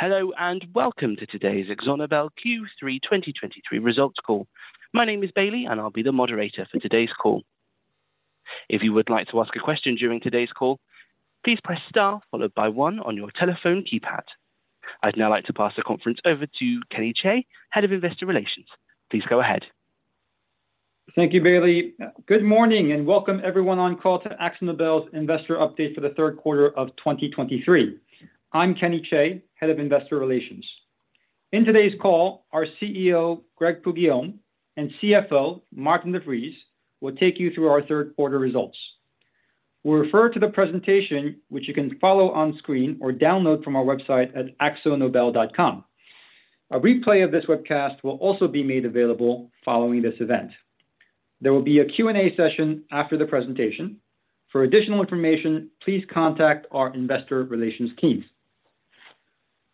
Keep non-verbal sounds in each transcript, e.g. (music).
Hello, and welcome to today's AkzoNobel Q3 2023 results call. My name is Bailey, and I'll be the moderator for today's call. If you would like to ask a question during today's call, please press Star followed by one on your telephone keypad. I'd now like to pass the conference over to Kenny Chae, Head of Investor Relations. Please go ahead. Thank you, Bailey. Good morning, and welcome everyone on call to AkzoNobel's Investor Update for the third quarter of 2023. I'm Kenny Chae, Head of Investor Relations. In today's call, our CEO, Greg Poux-Guillaume, and CFO, Maarten de Vries, will take you through our third quarter results. We'll refer to the presentation, which you can follow on screen or download from our website at akzonobel.com. A replay of this webcast will also be made available following this event. There will be a Q&A session after the presentation. For additional information, please contact our investor relations teams.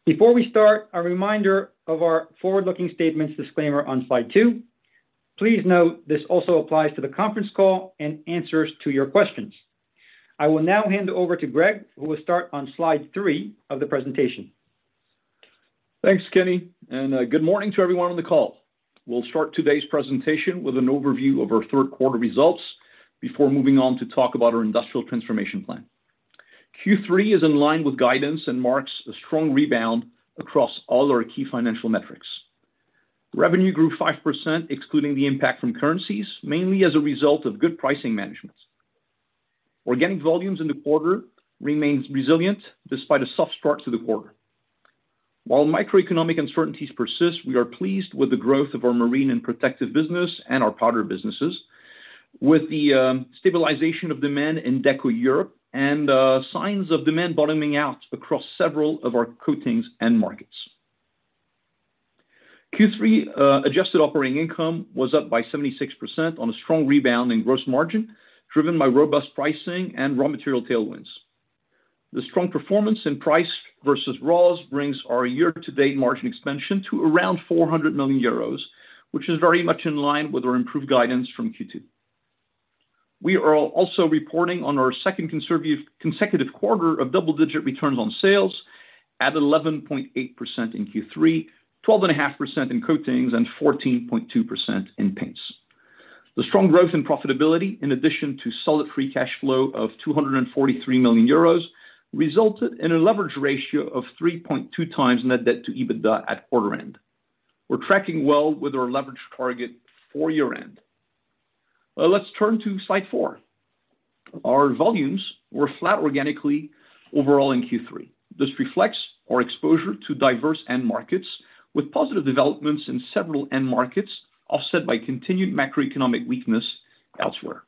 Before we start, a reminder of our forward-looking statements disclaimer on slide two. Please note, this also applies to the conference call and answers to your questions. I will now hand over to Greg, who will start on slide three of the presentation. Thanks, Kenny, and good morning to everyone on the call. We'll start today's presentation with an overview of our third quarter results before moving on to talk about our industrial transformation plan. Q3 is in line with guidance and marks a strong rebound across all our key financial metrics. Revenue grew 5%, excluding the impact from currencies, mainly as a result of good pricing management. Organic volumes in the quarter remains resilient despite a soft start to the quarter. While microeconomic uncertainties persist, we are pleased with the growth of our marine and protective business and our powder businesses, with the stabilization of demand in Deco Europe and signs of demand bottoming out across several of our coatings end markets. Q3 adjusted operating income was up by 76% on a strong rebound in gross margin, driven by robust pricing and raw material tailwinds. The strong performance in price versus raws brings our year-to-date margin expansion to around 400 million euros, which is very much in line with our improved guidance from Q2. We are also reporting on our second consecutive quarter of double-digit returns on sales at 11.8% in Q3, 12.5% in coatings, and 14.2% in paints. The strong growth in profitability, in addition to solid free cash flow of 243 million euros, resulted in a leverage ratio of 3.2x net debt to EBITDA at quarter end. We're tracking well with our leverage target for year-end. Let's turn to slide four. Our volumes were flat organically overall in Q3. This reflects our exposure to diverse end markets, with positive developments in several end markets, offset by continued macroeconomic weakness elsewhere.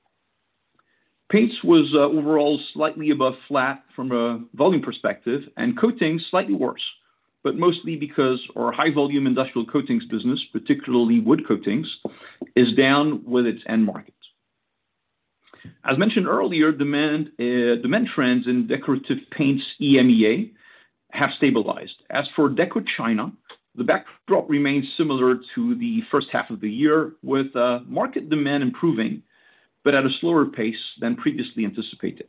Paints was overall slightly above flat from a volume perspective, and coatings, slightly worse, but mostly because our high-volume industrial coatings business, particularly wood coatings, is down with its end markets. As mentioned earlier, demand trends in decorative paints EMEA have stabilized. As for Deco China, the backdrop remains similar to the first half of the year, with market demand improving, but at a slower pace than previously anticipated.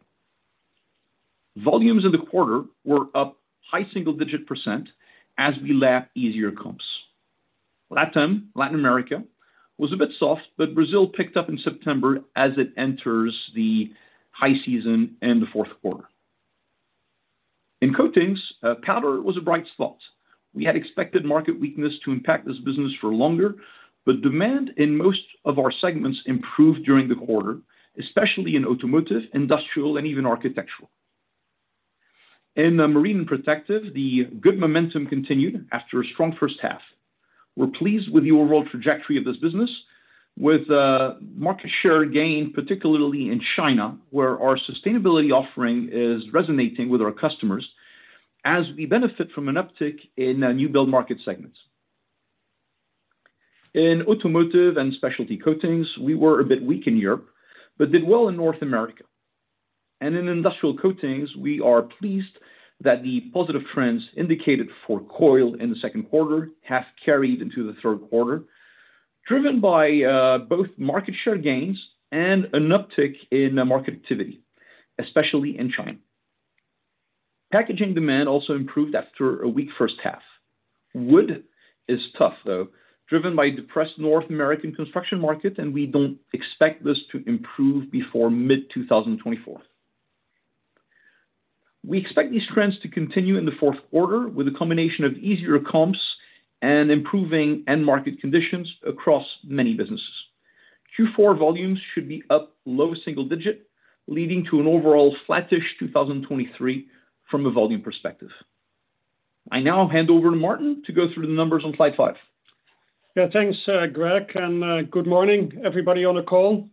Volumes in the quarter were up high single-digit percent as we lap easier comps. LATAM, Latin America, was a bit soft, but Brazil picked up in September as it enters the high season in the fourth quarter. In coatings, powder was a bright spot. We had expected market weakness to impact this business for longer, but demand in most of our segments improved during the quarter, especially in automotive, industrial, and even architectural. In the marine and protective, the good momentum continued after a strong first half. We're pleased with the overall trajectory of this business, with market share gain, particularly in China, where our sustainability offering is resonating with our customers as we benefit from an uptick in new build market segments. In automotive and specialty coatings, we were a bit weak in Europe, but did well in North America. And in industrial coatings, we are pleased that the positive trends indicated for coil in the second quarter have carried into the third quarter, driven by both market share gains and an uptick in market activity, especially in China. Packaging demand also improved after a weak first half. Wood is tough, though, driven by depressed North American construction market, and we don't expect this to improve before mid-2024. We expect these trends to continue in the fourth quarter with a combination of easier comps and improving end market conditions across many businesses. Q4 volumes should be up low single-digit, leading to an overall flattish 2023 from a volume perspective. I now hand over to Maarten to go through the numbers on slide five. Yeah, thanks, Greg, and good morning, everybody on the call.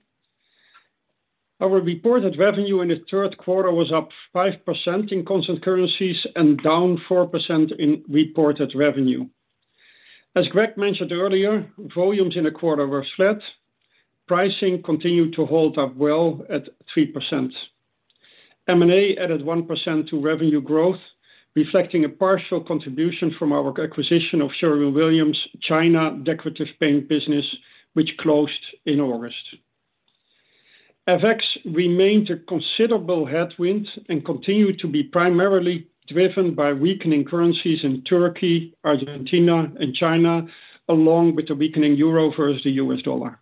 Our reported revenue in the third quarter was up 5% in constant currencies and down 4% in reported revenue. As Greg mentioned earlier, volumes in the quarter were flat. Pricing continued to hold up well at 3%. M&A added 1% to revenue growth, reflecting a partial contribution from our acquisition of Sherwin-Williams China decorative paint business, which closed in August. FX remained a considerable headwind and continued to be primarily driven by weakening currencies in Turkey, Argentina, and China, along with the weakening euro versus the US dollar.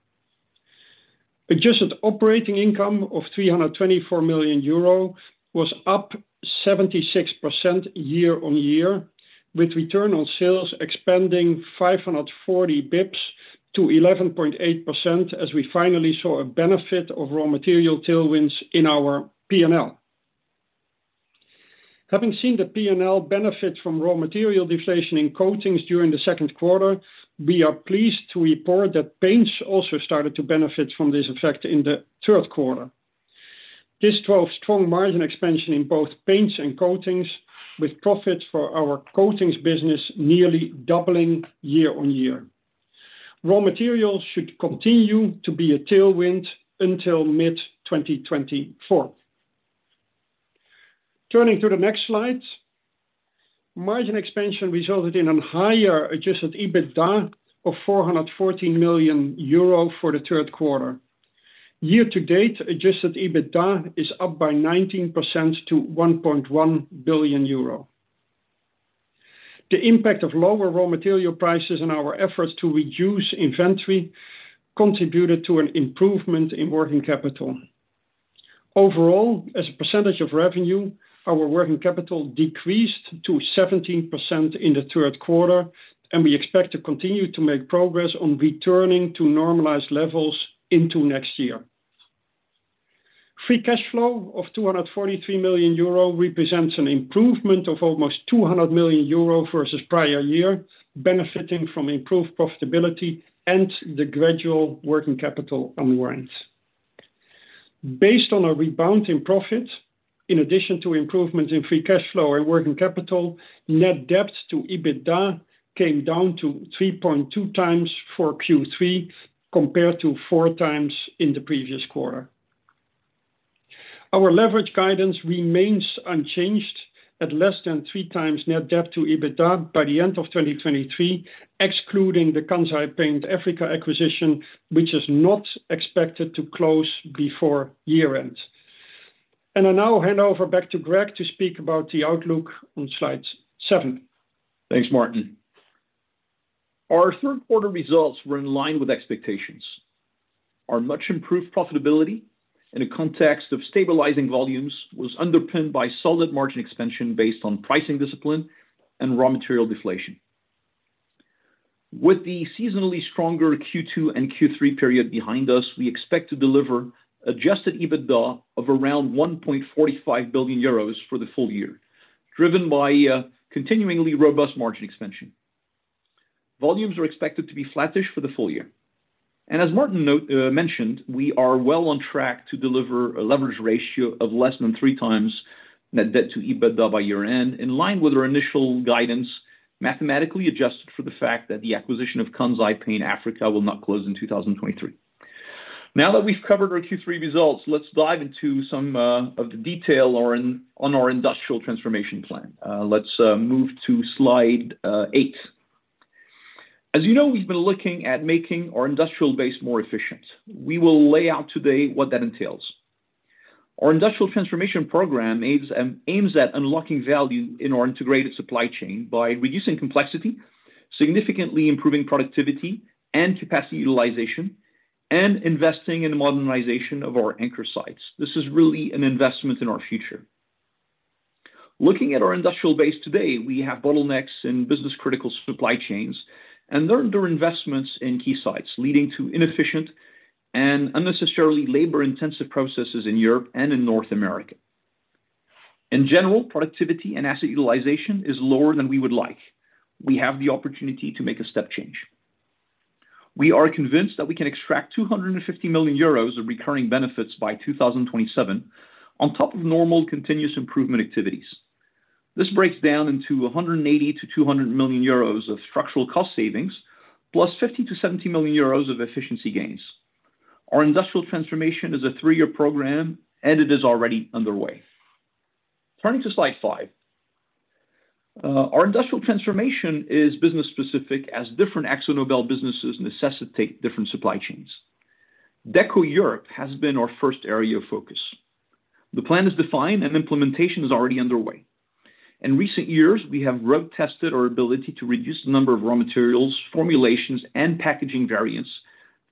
Adjusted operating income of 324 million euro was up 76% year-on-year, with return on sales expanding 540 basis points to 11.8%, as we finally saw a benefit of raw material tailwinds in our P&L. Having seen the P&L benefit from raw material deflation in coatings during the second quarter, we are pleased to report that paints also started to benefit from this effect in the third quarter. This drove strong margin expansion in both paints and coatings, with profits for our coatings business nearly doubling year-on-year. Raw materials should continue to be a tailwind until mid-2024. Turning to the next slide, margin expansion resulted in a higher adjusted EBITDA of 414 million euro for the third quarter. Year-to-date, adjusted EBITDA is up by 19% to 1.1 billion euro. The impact of lower raw material prices and our efforts to reduce inventory contributed to an improvement in working capital. Overall, as a percentage of revenue, our working capital decreased to 17% in the third quarter, and we expect to continue to make progress on returning to normalized levels into next year. Free cash flow of 243 million euro represents an improvement of almost 200 million euro versus prior year, benefiting from improved profitability and the gradual working capital unwinds. Based on a rebound in profits, in addition to improvements in free cash flow and working capital, net debt to EBITDA came down to 3.2x for Q3, compared to 4x in the previous quarter. Our leverage guidance remains unchanged at less than 3x net debt to EBITDA by the end of 2023, excluding the Kansai Paint Africa acquisition, which is not expected to close before year-end. I now hand over back to Greg to speak about the outlook on slide seven. Thanks, Maarten. Our third quarter results were in line with expectations. Our much improved profitability in the context of stabilizing volumes was underpinned by solid margin expansion based on pricing discipline and raw material deflation. With the seasonally stronger Q2 and Q3 period behind us, we expect to deliver Adjusted EBITDA of around 1.45 billion euros for the full year, driven by continuingly robust margin expansion. Volumes are expected to be flattish for the full year. As Maarten noted, we are well on track to deliver a leverage ratio of less than 3x net debt to EBITDA by year-end, in line with our initial guidance, mathematically adjusted for the fact that the acquisition of Kansai Paint Africa will not close in 2023. Now that we've covered our Q3 results, let's dive into some of the detail on our industrial transformation plan. Let's move to slide eight. As you know, we've been looking at making our industrial base more efficient. We will lay out today what that entails. Our industrial transformation program aims at unlocking value in our integrated supply chain by reducing complexity, significantly improving productivity and capacity utilization, and investing in the modernization of our anchor sites. This is really an investment in our future. Looking at our industrial base today, we have bottlenecks in business-critical supply chains and underinvestments in key sites, leading to inefficient and unnecessarily labor-intensive processes in Europe and in North America. In general, productivity and asset utilization is lower than we would like. We have the opportunity to make a step change. We are convinced that we can extract 250 million euros of recurring benefits by 2027 on top of normal continuous improvement activities. This breaks down into 180 million-200 million euros of structural cost savings, plus 50 million-70 million euros of efficiency gains. Our industrial transformation is a three-year program, and it is already underway. Turning to slide five. Our industrial transformation is business specific, as different AkzoNobel businesses necessitate different supply chains. Deco Europe has been our first area of focus. The plan is defined, and implementation is already underway. In recent years, we have road tested our ability to reduce the number of raw materials, formulations, and packaging variants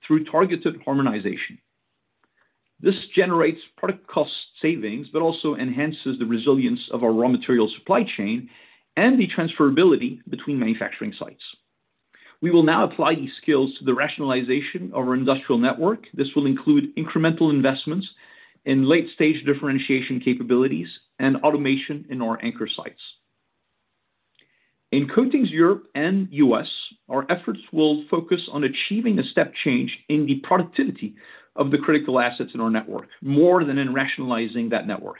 through targeted harmonization. This generates product cost savings, but also enhances the resilience of our raw material supply chain and the transferability between manufacturing sites. We will now apply these skills to the rationalization of our industrial network. This will include incremental investments in late-stage differentiation capabilities and automation in our anchor sites. In Coatings Europe and U.S., our efforts will focus on achieving a step change in the productivity of the critical assets in our network, more than in rationalizing that network.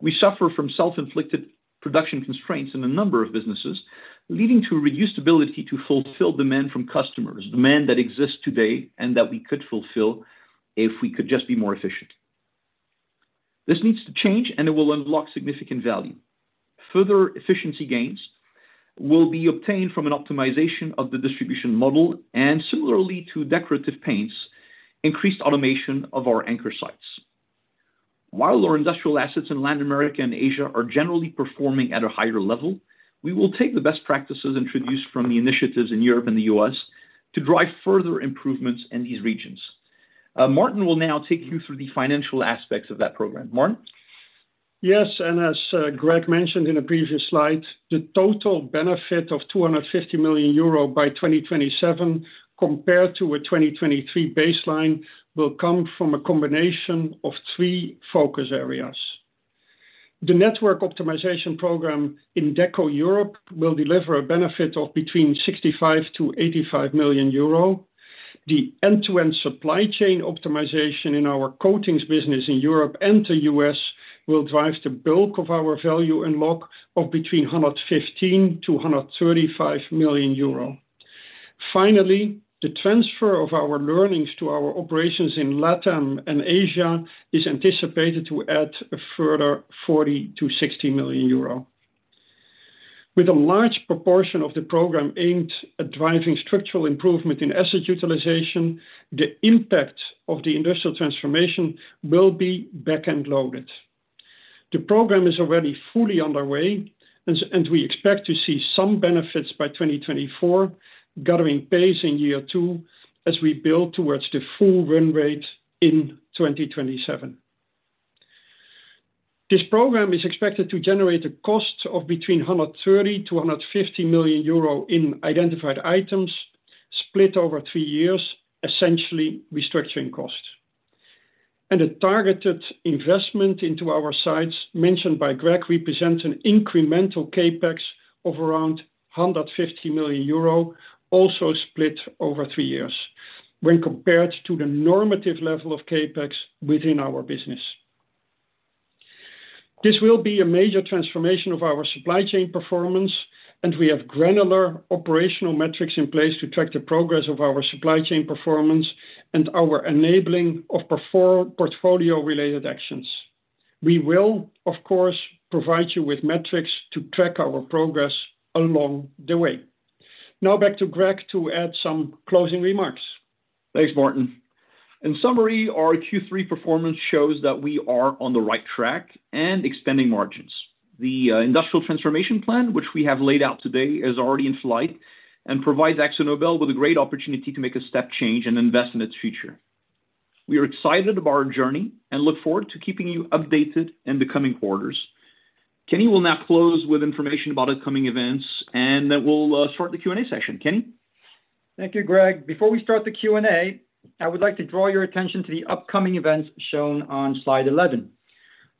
We suffer from self-inflicted production constraints in a number of businesses, leading to a reduced ability to fulfill demand from customers, demand that exists today and that we could fulfill if we could just be more efficient. This needs to change, and it will unlock significant value. Further efficiency gains will be obtained from an optimization of the distribution model, and similarly to decorative paints, increased automation of our anchor sites. While our industrial assets in Latin America and Asia are generally performing at a higher level, we will take the best practices introduced from the initiatives in Europe and the U.S. to drive further improvements in these regions. Maarten will now take you through the financial aspects of that program. Maarten? Yes, and as Greg mentioned in a previous slide, the total benefit of 250 million euro by 2027, compared to a 2023 baseline, will come from a combination of three focus areas. The network optimization program in Deco Europe will deliver a benefit of between 65 million-85 million euro. The end-to-end supply chain optimization in our coatings business in Europe and the U.S. will drive the bulk of our value unlock of between 115 million-135 million euro. Finally, the transfer of our learnings to our operations in LATAM and Asia is anticipated to add a further 40 million-60 million euro. With a large proportion of the program aimed at driving structural improvement in asset utilization, the impact of the industrial transformation will be back-end loaded. The program is already fully underway, and we expect to see some benefits by 2024, gathering pace in year two as we build towards the full run rate in 2027. This program is expected to generate a cost of between 130 million-150 million euro in identified items, split over three years, essentially restructuring costs. And a targeted investment into our sites mentioned by Greg represents an incremental CapEx of around 150 million euro, also split over three years, when compared to the normative level of CapEx within our business. This will be a major transformation of our supply chain performance, and we have granular operational metrics in place to track the progress of our supply chain performance and our enabling of portfolio-related actions. We will, of course, provide you with metrics to track our progress along the way. Now back to Greg to add some closing remarks. Thanks, Maarten. In summary, our Q3 performance shows that we are on the right track and expanding margins. The industrial transformation plan, which we have laid out today, is already in flight and provides AkzoNobel with a great opportunity to make a step change and invest in its future. We are excited about our journey and look forward to keeping you updated in the coming quarters. Kenny will now close with information about upcoming events, and then we'll start the Q&A session. Kenny? Thank you, Greg. Before we start the Q&A, I would like to draw your attention to the upcoming events shown on slide 11.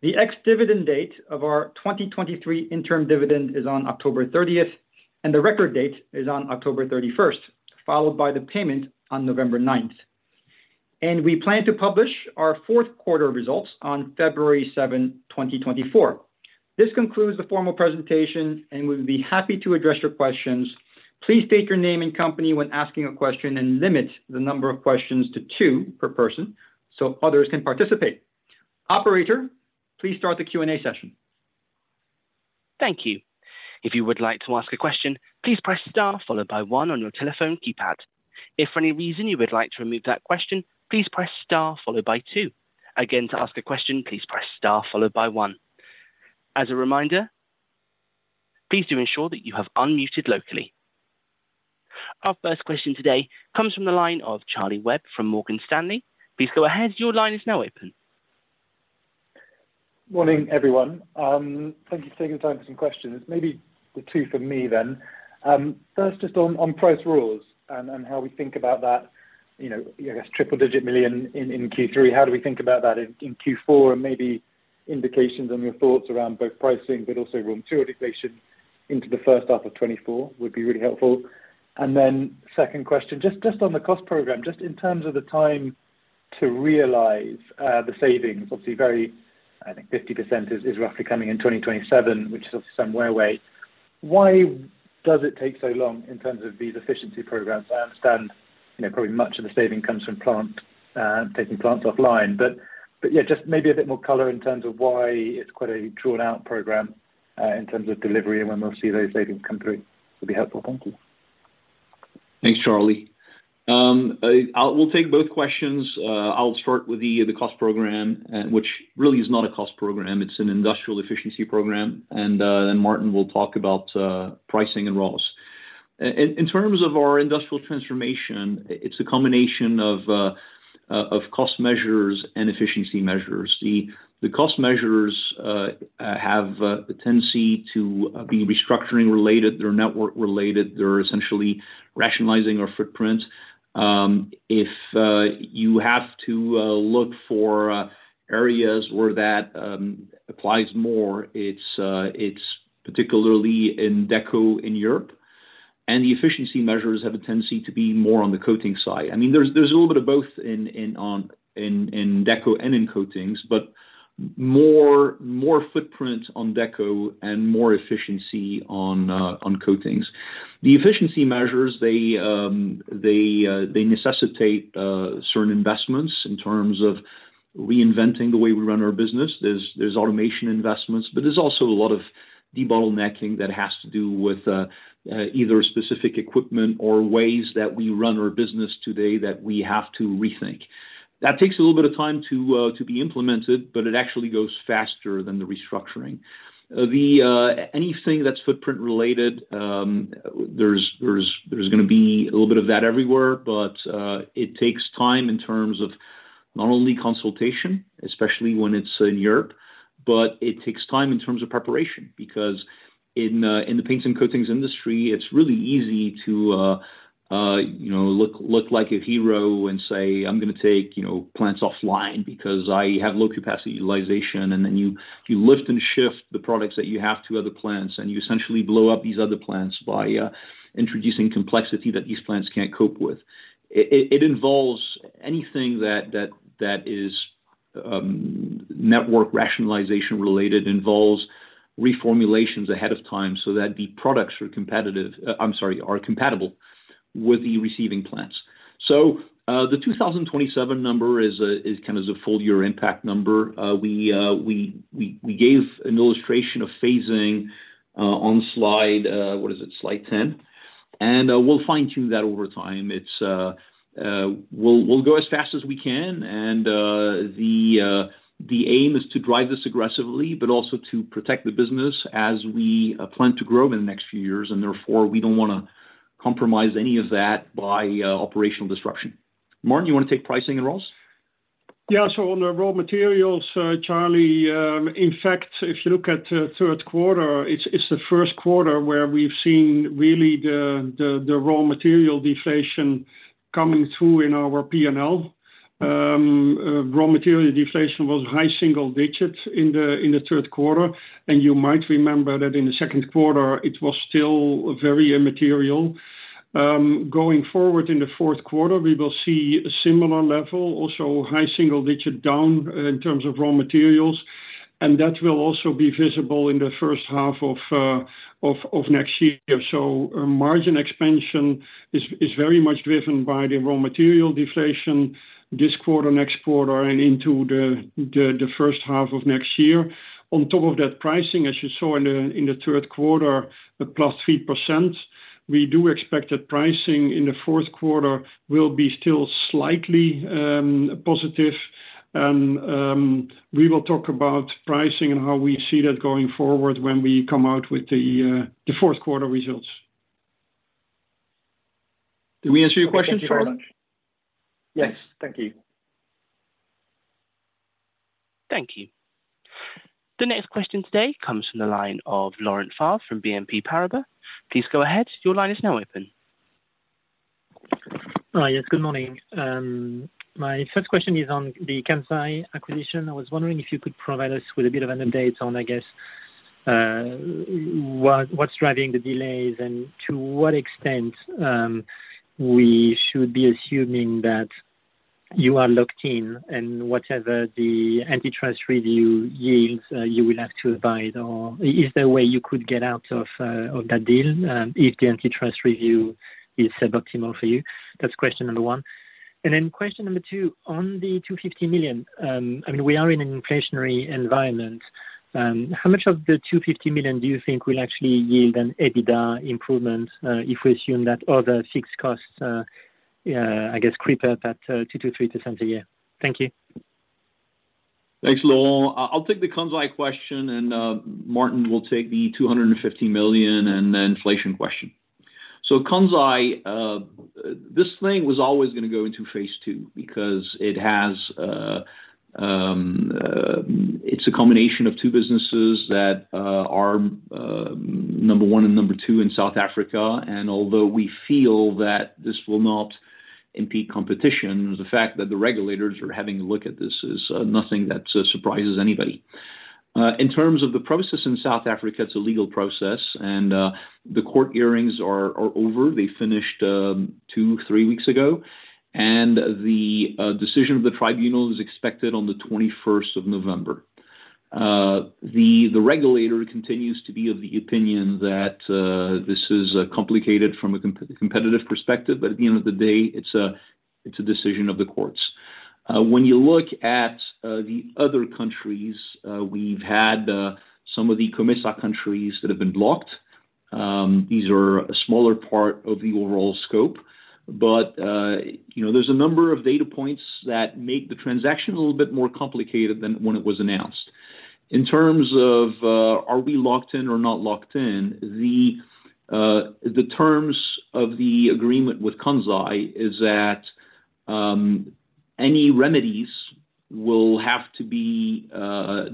The ex-dividend date of our 2023 interim dividend is on October 30, and the record date is on October 31, followed by the payment on November 9. We plan to publish our fourth quarter results on February 7, 2024. This concludes the formal presentation, and we'll be happy to address your questions. Please state your name and company when asking a question, and limit the number of questions to two per person, so others can participate. Operator, please start the Q&A session. Thank you. If you would like to ask a question, please press Star, followed by one on your telephone keypad. If for any reason you would like to remove that question, please press Star followed by two. Again, to ask a question, please press Star followed by one. As a reminder, please do ensure that you have unmuted locally. Our first question today comes from the line of Charlie Webb from Morgan Stanley. Please go ahead. Your line is now open. Morning, everyone. Thank you for taking the time for some questions. Maybe the two for me then. First, just on price/raws and how we think about that, you know, I guess, triple-digit million EUR in Q3. How do we think about that in Q4? And maybe indications on your thoughts around both pricing, but also raw material inflation into the first half of 2024 would be really helpful. And then second question, just on the cost program, just in terms of the time to realize the savings. Obviously, very, I think 50% is roughly coming in 2027, which is obviously some way away. Why does it take so long in terms of these efficiency programs? I understand, you know, probably much of the saving comes from plant, taking plants offline. But, yeah, just maybe a bit more color in terms of why it's quite a drawn-out program, in terms of delivery and when we'll see those savings come through, would be helpful. Thank you. Thanks, Charlie. We'll take both questions. I'll start with the cost program, which really is not a cost program, it's an industrial efficiency program. Then Maarten will talk about pricing and raws. In terms of our industrial transformation, it's a combination of cost measures and efficiency measures. The cost measures have the tendency to be restructuring related, they're network related. They're essentially rationalizing our footprint. If you have to look for areas where that applies more, it's particularly in Deco in Europe, and the efficiency measures have a tendency to be more on the coating side. I mean, there's a little bit of both in Deco and in coatings, but more footprint on Deco and more efficiency on coatings. The efficiency measures necessitate certain investments in terms of reinventing the way we run our business. There's automation investments, but there's also a lot of debottlenecking that has to do with either specific equipment or ways that we run our business today that we have to rethink. That takes a little bit of time to be implemented, but it actually goes faster than the restructuring. The anything that's footprint related, there's gonna be a little bit of that everywhere, but it takes time in terms of not only consultation, especially when it's in Europe, but it takes time in terms of preparation, because in the paints and coatings industry, it's really easy to you know, look like a hero and say, "I'm gonna take, you know, plants offline because I have low capacity utilization." And then you lift and shift the products that you have to other plants, and you essentially blow up these other plants by introducing complexity that these plants can't cope with. It involves anything that is network rationalization related, involves reformulations ahead of time so that the products are competitive, I'm sorry, are compatible with the receiving plants. So, the 2027 number is kind of the full year impact number. We gave an illustration of phasing on slide, what is it? Slide 10. And, we'll fine-tune that over time. We'll go as fast as we can, and the aim is to drive this aggressively, but also to protect the business as we plan to grow over the next few years, and therefore, we don't wanna compromise any of that by operational disruption. Maarten, you want to take pricing and raws? Yeah. So on the raw materials, Charlie, in fact, if you look at third quarter, it's the first quarter where we've seen really the raw material deflation coming through in our P&L. Raw material deflation was high single digits in the third quarter, and you might remember that in the second quarter it was still very immaterial. Going forward in the fourth quarter, we will see a similar level, also high single digit down in terms of raw materials, and that will also be visible in the first half of next year. So, margin expansion is very much driven by the raw material deflation this quarter, next quarter and into the first half of next year. On top of that pricing, as you saw in the third quarter, +3%, we do expect that pricing in the fourth quarter will be still slightly positive. And we will talk about pricing and how we see that going forward when we come out with the fourth quarter results. Did we answer your question, Charlie? Yes, thank you. Thank you. The next question today comes from the line of Laurent Favre from BNP Paribas. Please go ahead. Your line is now open. Yes, good morning. My first question is on the Kansai acquisition. I was wondering if you could provide us with a bit of an update on, I guess, what, what's driving the delays and to what extent, we should be assuming that you are locked in, and whatever the antitrust review yields, you will have to abide, or is there a way you could get out of, of that deal, if the antitrust review is suboptimal for you? That's question number one. And then question number two, on the 250 million, I mean, we are in an inflationary environment, how much of the 250 million do you think will actually yield an EBITDA improvement, if we assume that other fixed costs, I guess, creep up at, 2%-3% a year? Thank you. Thanks, Laurent. I'll take the Kansai question, and Maarten will take the 250 million and the inflation question. So Kansai, this thing was always gonna go into phase II because it has, it's a combination of two businesses that are number one and number two in South Africa, and although we feel that this will not impede competition, the fact that the regulators are having a look at this is nothing that surprises anybody. In terms of the process in South Africa, it's a legal process, and the court hearings are over. They finished two, three weeks ago, and the decision of the tribunal is expected on the 21st of November. The regulator continues to be of the opinion that this is complicated from a competitive perspective, but at the end of the day, it's a decision of the courts. When you look at the other countries, we've had some of the COMESA countries that have been blocked. These are a smaller part of the overall scope, but you know, there's a number of data points that make the transaction a little bit more complicated than when it was announced. In terms of are we locked in or not locked in? The terms of the agreement with Kansai is that any remedies will have to be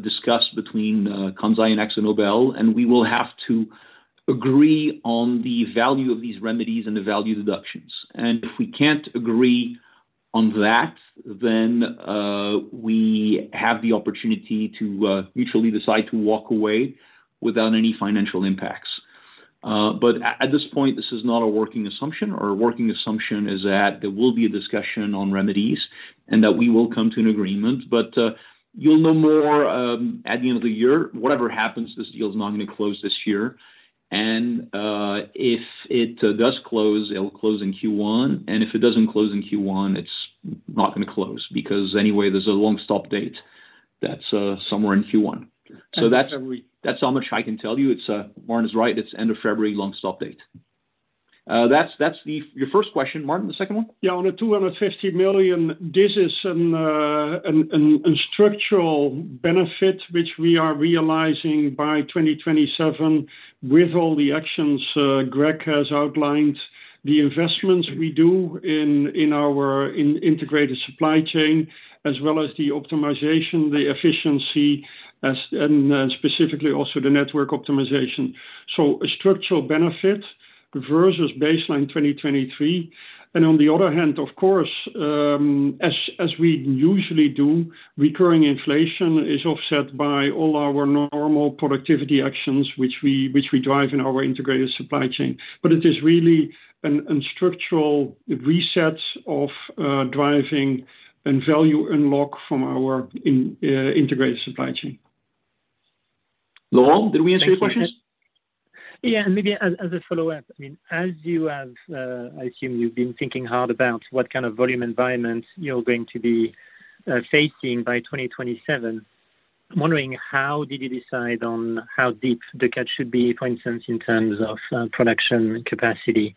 discussed between Kansai and AkzoNobel, and we will have to agree on the value of these remedies and the value deductions. If we can't agree on that, then we have the opportunity to mutually decide to walk away without any financial impacts. But at this point, this is not a working assumption. Our working assumption is that there will be a discussion on remedies and that we will come to an agreement. But you'll know more at the end of the year. Whatever happens, this deal is not gonna close this year and if it does close, it will close in Q1, and if it doesn't close in Q1, it's not gonna close, because anyway, there's a long stop date that's somewhere in Q1. So that's how much I can tell you. It's, Maarten is right, it's end of February long stop date. That's your first question. Maarten, the second one? Yeah, on the 250 million, this is a structural benefit which we are realizing by 2027 with all the actions Greg has outlined, the investments we do in our integrated supply chain, as well as the optimization, the efficiency, and specifically also the network optimization. So a structural benefit versus baseline 2023, and on the other hand, of course, as we usually do, recurring inflation is offset by all our normal productivity actions, which we drive in our integrated supply chain. But it is really a structural reset of driving and value unlock from our integrated supply chain. Laurent, did we answer your questions? Yeah, maybe as a follow-up, I mean, as you have, I assume you've been thinking hard about what kind of volume environment you're going to be facing by 2027. I'm wondering, how did you decide on how deep the cut should be, for instance, in terms of production capacity?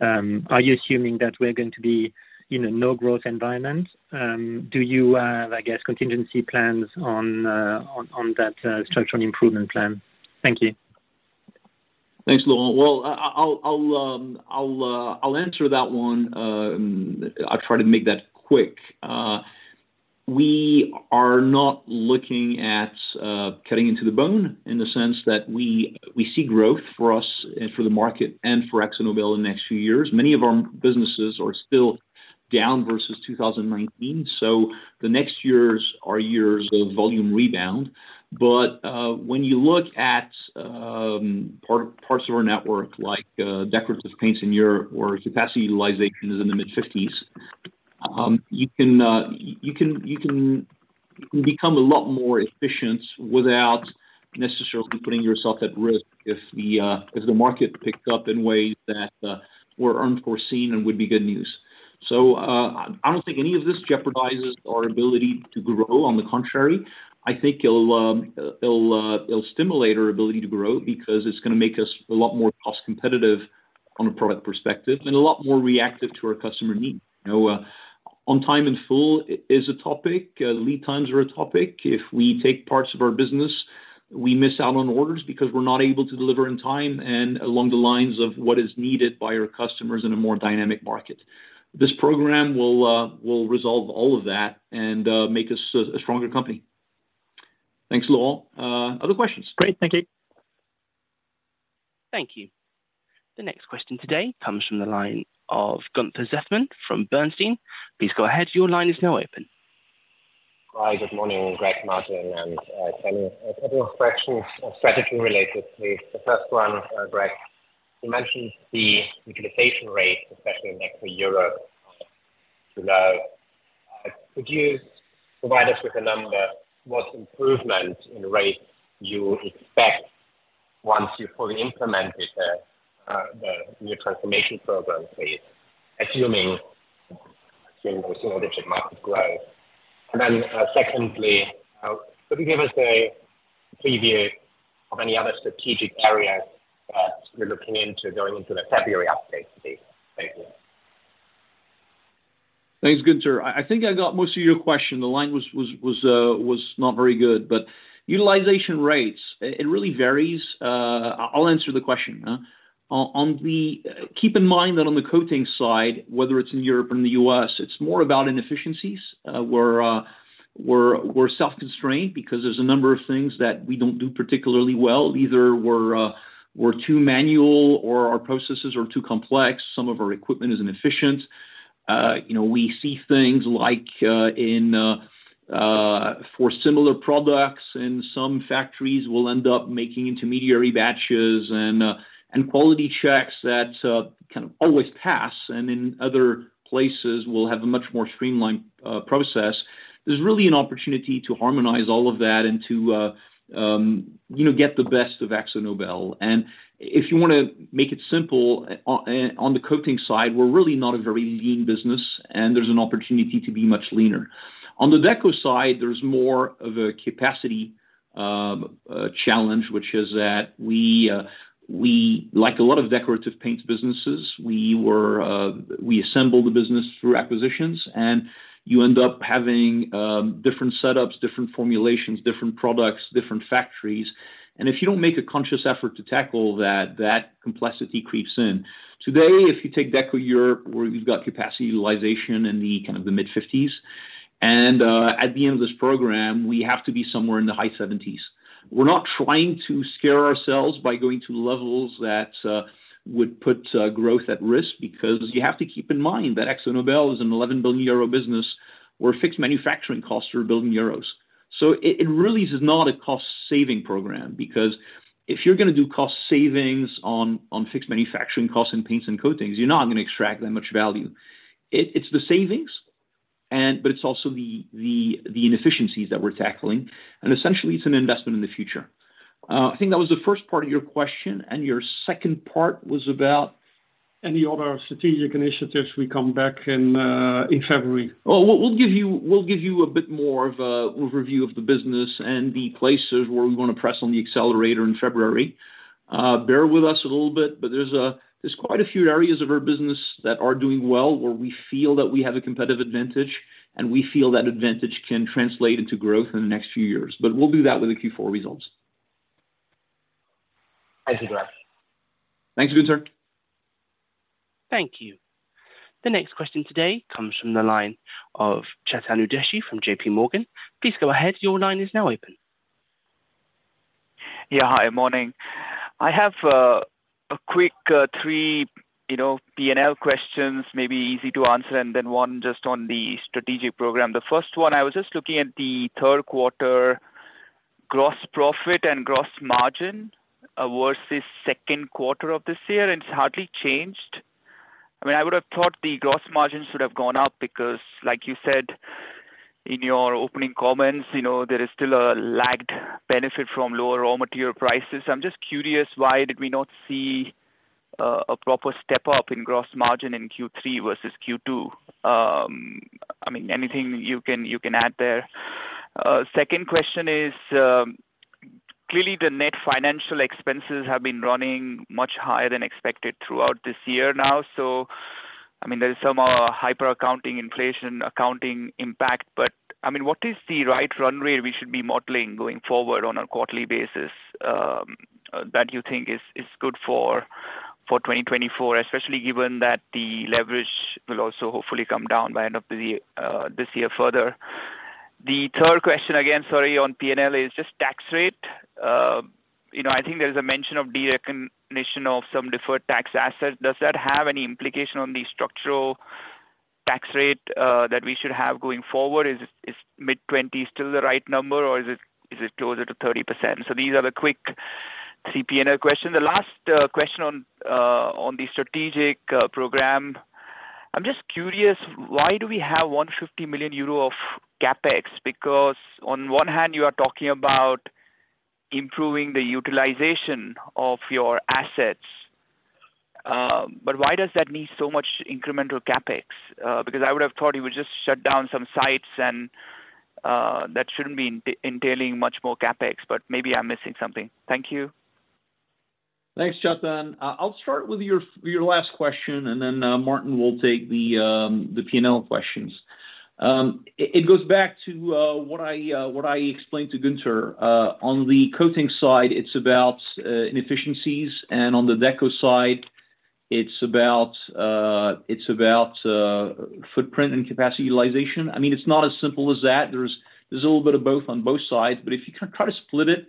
Are you assuming that we're going to be in a no-growth environment? Do you have, I guess, contingency plans on, on that structural improvement plan? Thank you. Thanks, Laurent. Well, I'll answer that one. I'll try to make that quick. We are not looking at cutting into the bone in the sense that we see growth for us and for the market and for AkzoNobel in the next few years. Many of our businesses are still down versus 2019, so the next years are years of volume rebound. But when you look at parts of our network, like decorative paints in Europe, where capacity utilization is in the mid-50s, you can become a lot more efficient without necessarily putting yourself at risk if the market picks up in ways that were unforeseen and would be good news. So, I don't think any of this jeopardizes our ability to grow. On the contrary, I think it'll stimulate our ability to grow because it's gonna make us a lot more cost competitive on a product perspective and a lot more reactive to our customer needs. You know, on time in full is a topic, lead times are a topic. If we take parts of our business, we miss out on orders because we're not able to deliver in time and along the lines of what is needed by our customers in a more dynamic market. This program will resolve all of that and make us a stronger company. Thanks, Laurent. Other questions? Great. Thank you. Thank you. The next question today comes from the line of Gunther Zechmann from Bernstein. Please go ahead. Your line is now open. Hi, good morning, Greg, Maarten, and Kenny. A couple of questions, strategy related. Please, the first one, Greg, you mentioned the utilization rate, especially in Europe, too low. Could you provide us with a number, what improvement in rate you expect once you've fully implemented the, the new transformation program, please, assuming, assuming the single-digit market growth? And then, secondly, could you give us a preview of any other strategic areas that you're looking into going into the February update, please? Thank you. Thanks, Gunther. I think I got most of your question. The line was not very good, but utilization rates, it really varies. I'll answer the question. On the keep in mind that on the coating side, whether it's in Europe or in the U.S., it's more about inefficiencies. We're self-constrained because there's a number of things that we don't do particularly well. Either we're too manual or our processes are too complex. Some of our equipment is inefficient. You know, we see things like, in, for similar products, in some factories, we'll end up making intermediate batches and quality checks that kind of always pass, and in other places, we'll have a much more streamlined process. There's really an opportunity to harmonize all of that and to, you know, get the best of AkzoNobel. If you want to make it simple, on, on the coating side, we're really not a very lean business, and there's an opportunity to be much leaner. On the Deco side, there's more of a capacity challenge, which is that we, like a lot of decorative paints businesses, we assembled the business through acquisitions, and you end up having different setups, different formulations, different products, different factories. If you don't make a conscious effort to tackle that, that complexity creeps in. Today, if you take Deco Europe, where we've got capacity utilization in the kind of the mid-50s, and at the end of this program, we have to be somewhere in the high 70s. We're not trying to scare ourselves by going to levels that would put growth at risk, because you have to keep in mind that AkzoNobel is a 11 billion euro business, where fixed manufacturing costs are 1 billion euros. So it really is not a cost-saving program, because if you're gonna do cost savings on fixed manufacturing costs and paints and coatings, you're not gonna extract that much value. It's the savings and but it's also the inefficiencies that we're tackling, and essentially it's an investment in the future. I think that was the first part of your question, and your second part was about? Any other strategic initiatives we come back in, in February. Well, we'll give you a bit more of a overview of the business and the places where we're gonna press on the accelerator in February. Bear with us a little bit, but there's quite a few areas of our business that are doing well, where we feel that we have a competitive advantage, and we feel that advantage can translate into growth in the next few years. But we'll do that with the Q4 results. Thank you. (audio distortion) Thanks, Gunther. Thank you. The next question today comes from the line of Chetan Udeshi from JPMorgan. Please go ahead. Your line is now open. Yeah, hi. Morning. I have a quick three, you know, P&L questions, maybe easy to answer, and then one just on the strategic program. The first one, I was just looking at the third quarter gross profit and gross margin versus second quarter of this year, and it's hardly changed. I mean, I would have thought the gross margins should have gone up because, like you said in your opening comments, you know, there is still a lagged benefit from lower raw material prices. I'm just curious, why did we not see a proper step up in gross margin in Q3 versus Q2? I mean, anything you can add there. Second question is, clearly the net financial expenses have been running much higher than expected throughout this year now. So, I mean, there is some hyperinflation accounting, inflation accounting impact, but, I mean, what is the right runway we should be modeling going forward on a quarterly basis, that you think is good for 2024, especially given that the leverage will also hopefully come down by end of the year, this year further. The third question, again, sorry, on P&L is just tax rate. You know, I think there is a mention of the recognition of some deferred tax assets. Does that have any implication on the structural tax rate that we should have going forward? Is mid-20s still the right number, or is it closer to 30%? So these are the quick three P&L questions. The last question on the strategic program. I'm just curious, why do we have 150 million euro of CapEx? Because on one hand, you are talking about improving the utilization of your assets, but why does that need so much incremental CapEx? Because I would have thought you would just shut down some sites and, that shouldn't be entailing much more CapEx, but maybe I'm missing something. Thank you. Thanks, Chetan. I'll start with your last question, and then Maarten will take the P&L questions. It goes back to what I explained to Gunther. On the coating side, it's about inefficiencies, and on the Deco side, it's about footprint and capacity utilization. I mean, it's not as simple as that. There's a little bit of both on both sides, but if you try to split it,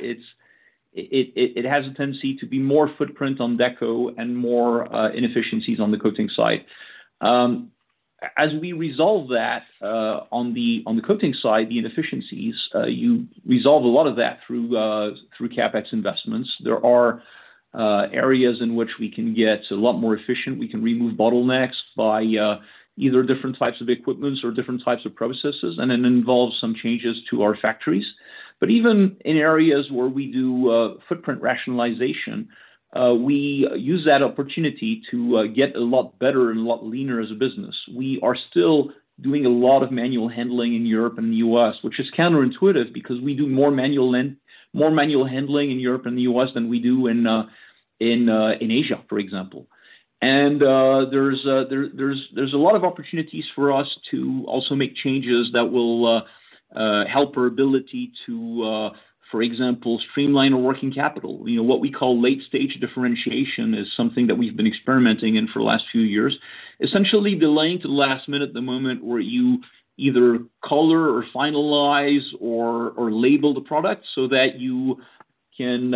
it has a tendency to be more footprint on deco and more inefficiencies on the coating side. As we resolve that, on the coating side, the inefficiencies, you resolve a lot of that through CapEx investments. There are areas in which we can get a lot more efficient. We can remove bottlenecks by either different types of equipment or different types of processes, and it involves some changes to our factories. But even in areas where we do footprint rationalization, we use that opportunity to get a lot better and a lot leaner as a business. We are still doing a lot of manual handling in Europe and the U.S., which is counterintuitive because we do more manual handling in Europe and the U.S. than we do in Asia, for example. And there's a lot of opportunities for us to also make changes that will help our ability to, for example, streamline our working capital. You know, what we call late-stage differentiation is something that we've been experimenting in for the last few years. Essentially delaying to the last minute the moment where you either color or finalize or label the product so that you can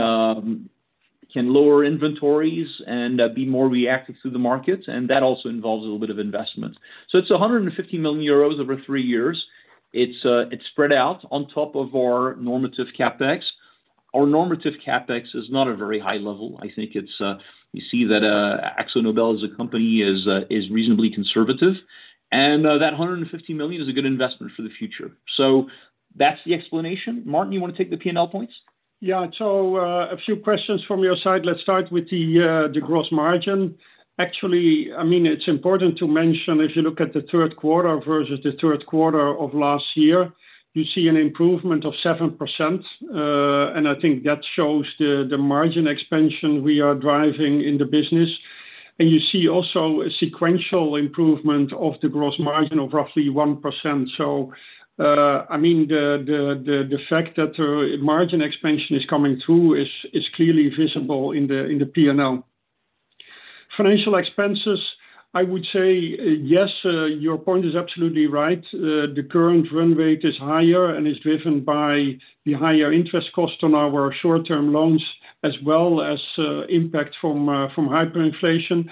lower inventories and be more reactive to the markets, and that also involves a little bit of investment. So it's 150 million euros over three years. It's spread out on top of our normative CapEx. Our normative CapEx is not a very high level. I think it's you see that AkzoNobel as a company is reasonably conservative, and that 150 million is a good investment for the future. So that's the explanation. Maarten, you want to take the P&L points? Yeah. So, a few questions from your side. Let's start with the gross margin. Actually, I mean, it's important to mention, if you look at the third quarter versus the third quarter of last year, you see an improvement of 7%. And I think that shows the margin expansion we are driving in the business. And you see also a sequential improvement of the gross margin of roughly 1%. So, I mean, the fact that margin expansion is coming through is clearly visible in the P&L. Financial expenses, I would say, yes, your point is absolutely right. The current run rate is higher and is driven by the higher interest cost on our short-term loans, as well as impact from hyperinflation.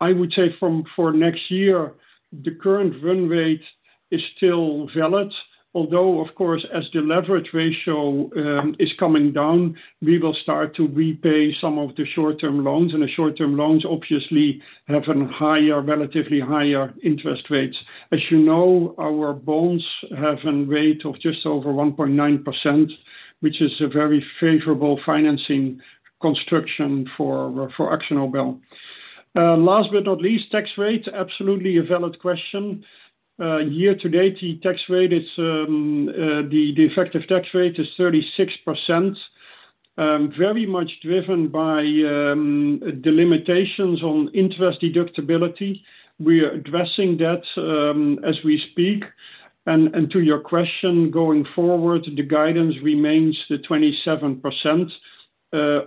I would say for next year, the current run rate is still valid, although, of course, as the leverage ratio is coming down, we will start to repay some of the short-term loans, and the short-term loans obviously have a higher, relatively higher interest rates. As you know, our bonds have a rate of just over 1.9% which is a very favorable financing construction for AkzoNobel. Last but not least, tax rate, absolutely a valid question. Year-to-date, the tax rate is the effective tax rate is 36%, very much driven by the limitations on interest deductibility. We are addressing that as we speak. And to your question, going forward, the guidance remains the 27%.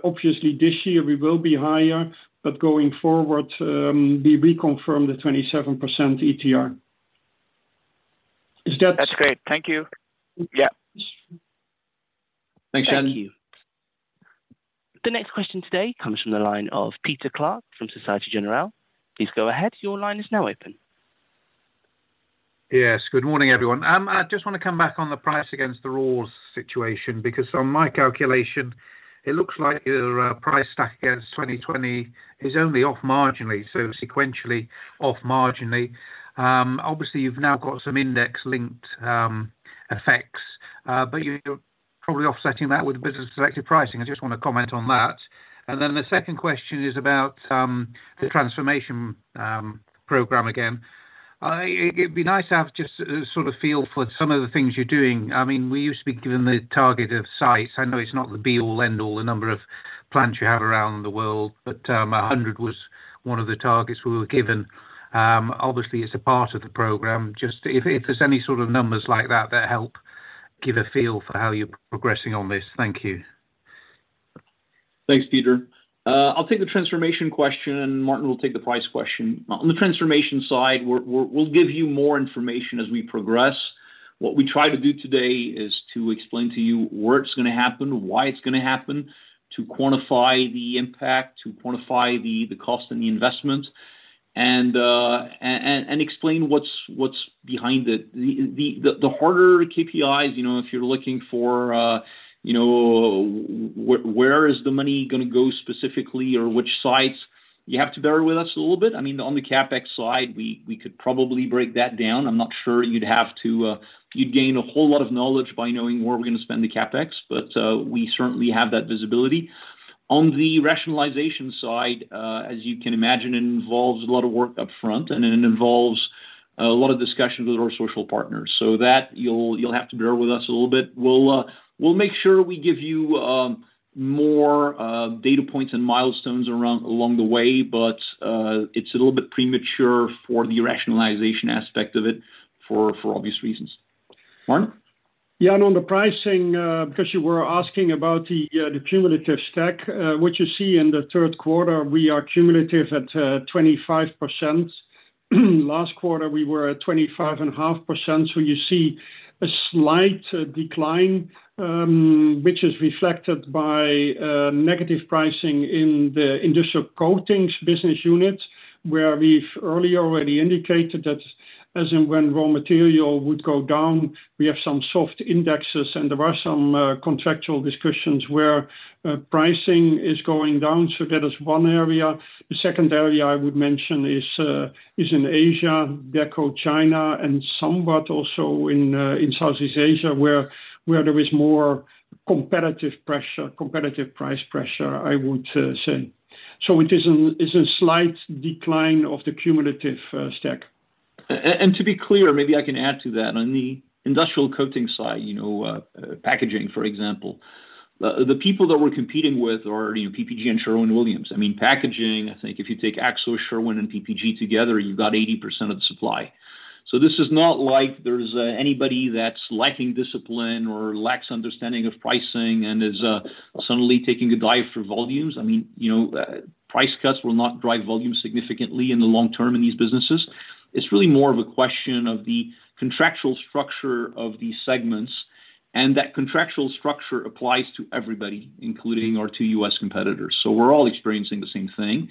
Obviously, this year we will be higher, but going forward, we reconfirm the 27% ETR. Is that. That's great. Thank you. Yeah. Thanks. (audio distortion) The next question today comes from the line of Peter Clark from Société Générale. Please go ahead. Your line is now open. Yes, good morning, everyone. I just want to come back on the price against the raw situation, because on my calculation, it looks like your price stack against 2020 is only off marginally, so sequentially off marginally. Obviously, you've now got some index-linked effects, but you're probably offsetting that with business selective pricing. I just want to comment on that. And then the second question is about the transformation program again. It'd be nice to have just a sort of feel for some of the things you're doing. I mean, we used to be given the target of size. I know it's not the be all, end all, the number of plants you have around the world, but a hundred was one of the targets we were given. Obviously, it's a part of the program. Just if, if there's any sort of numbers like that, that help give a feel for how you're progressing on this. Thank you. Thanks, Peter. I'll take the transformation question, and Maarten will take the price question. On the transformation side, we're we'll give you more information as we progress. What we try to do today is to explain to you where it's gonna happen, why it's gonna happen, to quantify the impact, to quantify the cost and the investment, and explain what's behind it. The harder KPIs, you know, if you're looking for, you know, where is the money gonna go specifically or which sites, you have to bear with us a little bit. I mean, on the CapEx side, we could probably break that down. I'm not sure you'd gain a whole lot of knowledge by knowing where we're gonna spend the CapEx, but we certainly have that visibility. On the rationalization side, as you can imagine, it involves a lot of work up front, and it involves a lot of discussions with our social partners. So that you'll, you'll have to bear with us a little bit. We'll, we'll make sure we give you more data points and milestones around, along the way, but it's a little bit premature for the rationalization aspect of it for, for obvious reasons. Maarten? Yeah, and on the pricing, because you were asking about the cumulative stack, what you see in the third quarter, we are cumulative at 25%. Last quarter, we were at 25.5%, so you see a slight decline, which is reflected by negative pricing in the industrial coatings business unit, where we've earlier already indicated that as and when raw material would go down, we have some soft indexes, and there are some contractual discussions where pricing is going down. So that is one area. The second area I would mention is in Asia, Deco China, and somewhat also in Southeast Asia, where there is more competitive pressure, competitive price pressure, I would say. So it is an, it's a slight decline of the cumulative stack. And to be clear, maybe I can add to that. On the industrial coating side, you know, packaging, for example, the people that we're competing with are PPG and Sherwin-Williams. I mean, packaging, I think if you take Akzo, Sherwin, and PPG together, you've got 80% of the supply. So this is not like there's anybody that's lacking discipline or lacks understanding of pricing and suddenly taking a dive for volumes. I mean, you know, price cuts will not drive volume significantly in the long term in these businesses. It's really more of a question of the contractual structure of these segments, and that contractual structure applies to everybody, including our two U.S. competitors. So we're all experiencing the same thing,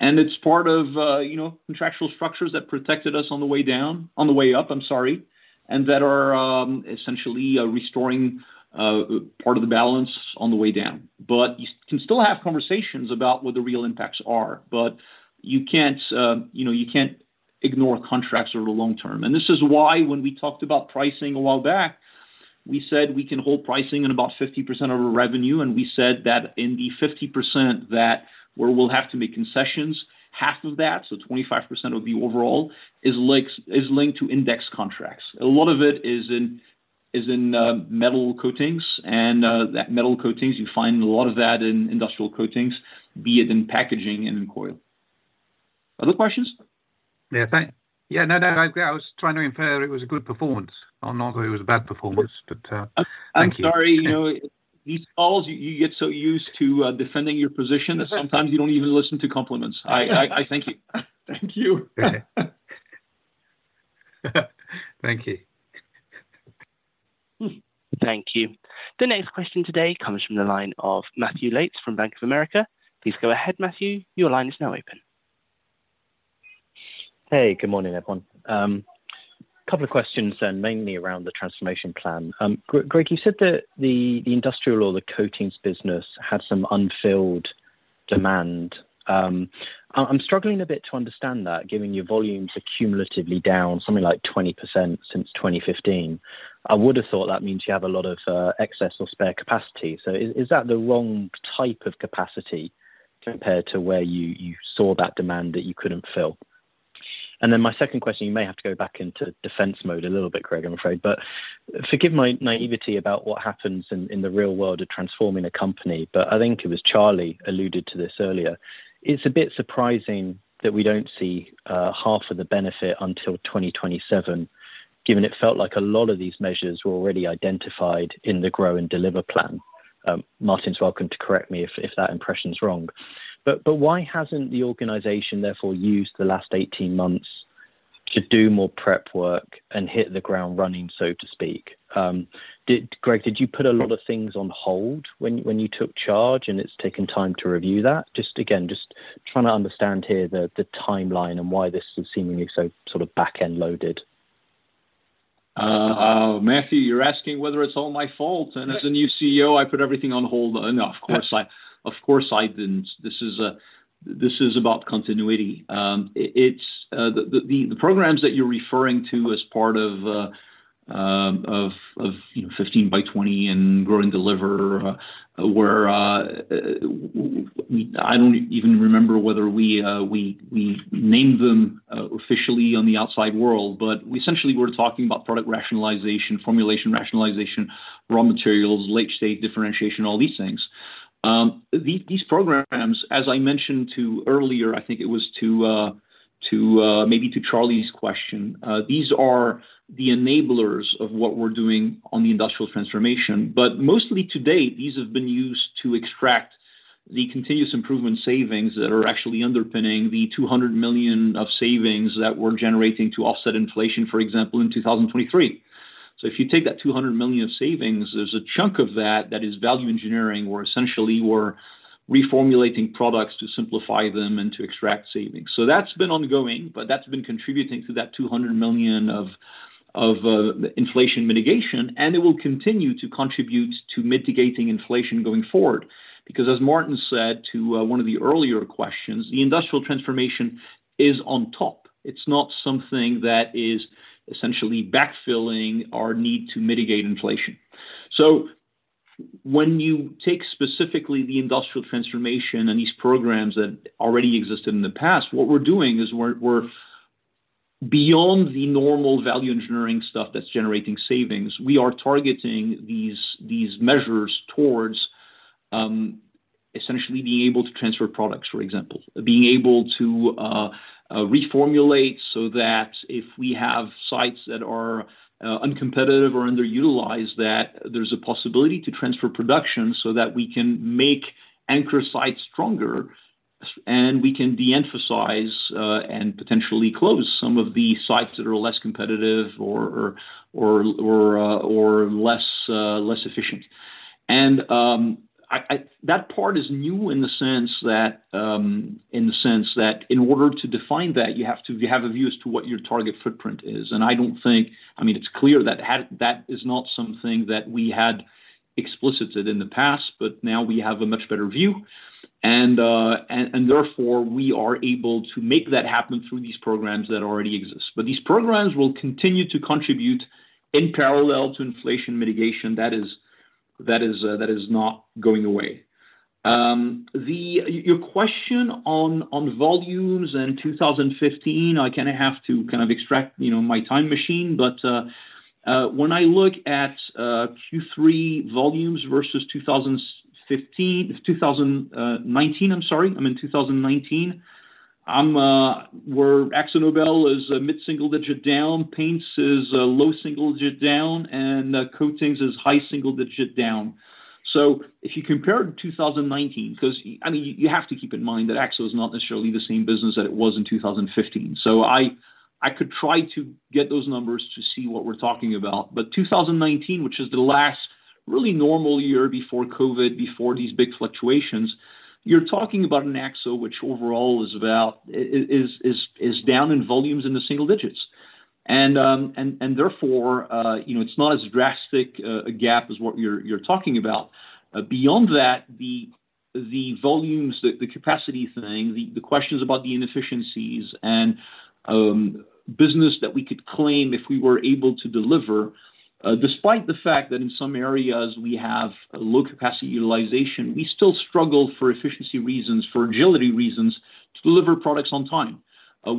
and it's part of, you know, contractual structures that protected us on the way down, on the way up, I'm sorry, and that are, essentially, restoring, part of the balance on the way down. But you can still have conversations about what the real impacts are, but you can't, you know, you can't ignore contracts over the long term. And this is why when we talked about pricing a while back, we said we can hold pricing in about 50% of our revenue, and we said that in the 50% that where we'll have to make concessions, half of that, so 25% of the overall, is linked to index contracts. A lot of it is in metal coatings and that metal coatings you find a lot of that in industrial coatings, be it in packaging and in coil. Other questions? Yeah, no, no, I was trying to infer it was a good performance. I'm not going it was a bad performance, but, thank you. I'm sorry, you know, these calls, you get so used to defending your position, that sometimes you don't even listen to compliments. I thank you. Thank you. Thank you. Thank you. The next question today comes from the line of Matthew Yates from Bank of America. Please go ahead, Matthew. Your line is now open. Hey, good morning, everyone. A couple of questions, and mainly around the transformation plan. Greg, you said that the, the industrial or the coatings business had some unfilled demand. I'm struggling a bit to understand that, given your volumes are cumulatively down, something like 20% since 2015. I would have thought that means you have a lot of excess or spare capacity. So is, is that the wrong type of capacity compared to where you, you saw that demand that you couldn't fill? And then my second question, you may have to go back into defense mode a little bit, Greg, I'm afraid. But forgive my naivety about what happens in, in the real world of transforming a company, but I think it was Charlie alluded to this earlier. It's a bit surprising that we don't see half of the benefit until 2027, given it felt like a lot of these measures were already identified in the Grow and Deliver plan. Maarten's welcome to correct me if that impression is wrong. But why hasn't the organization therefore used the last 18 months to do more prep work and hit the ground running, so to speak? Greg, did you put a lot of things on hold when you took charge, and it's taken time to review that? Just trying to understand here the timeline and why this is seemingly so sort of back-end loaded. Matthew, you're asking whether it's all my fault, and as the new CEO, I put everything on hold? No, of course I didn't. This is about continuity. It's the programs that you're referring to as part of of you know, 15 by 20 and Grow and Deliver, where I don't even remember whether we named them officially on the outside world, but essentially, we're talking about product rationalization, formulation rationalization, raw materials, Late-Stage Differentiation, all these things. These programs, as I mentioned to earlier, I think it was to maybe to Charlie's question. These are the enablers of what we're doing on the industrial transformation. But mostly to date, these have been used to extract the continuous improvement savings that are actually underpinning the 200 million of savings that we're generating to offset inflation, for example, in 2023. So if you take that 200 million of savings, there's a chunk of that that is value engineering, where essentially we're reformulating products to simplify them and to extract savings. So that's been ongoing, but that's been contributing to that 200 million of inflation mitigation, and it will continue to contribute to mitigating inflation going forward. Because as Maarten said to one of the earlier questions, the industrial transformation is on top. It's not something that is essentially backfilling our need to mitigate inflation. So when you take specifically the industrial transformation and these programs that already existed in the past, what we're doing is we're beyond the normal value engineering stuff that's generating savings. We are targeting these measures towards essentially being able to transfer products, for example, being able to reformulate, so that if we have sites that are uncompetitive or underutilized, that there's a possibility to transfer production so that we can make anchor sites stronger and we can de-emphasize and potentially close some of the sites that are less competitive or less efficient. That part is new in the sense that in order to define that, you have to have a view as to what your target footprint is. I don't think I mean, it's clear that that is not something that we had explicated in the past, but now we have a much better view, and therefore, we are able to make that happen through these programs that already exist. But these programs will continue to contribute in parallel to inflation mitigation. That is, that is not going away. Your question on volumes and 2015, I kind of have to kind of extract, you know, my time machine, but, when I look at Q3 volumes versus 2015, 2019, I'm sorry, I mean, 2019, I'm, we're AkzoNobel is a mid-single digit down, Paints is a low single digit down, and coatings is high single digit down. So if you compare 2019, 'cause, I mean, you have to keep in mind that Akzo is not necessarily the same business that it was in 2015. So I could try to get those numbers to see what we're talking about. But 2019, which is the last really normal year before COVID, before these big fluctuations, you're talking about an Akzo, which overall is about, is down in volumes in the single digits. And therefore, you know, it's not as drastic a gap as what you're talking about. Beyond that, the volumes, the capacity thing, the questions about the inefficiencies and business that we could claim if we were able to deliver, despite the fact that in some areas we have low capacity utilization, we still struggle for efficiency reasons, for agility reasons, to deliver products on time.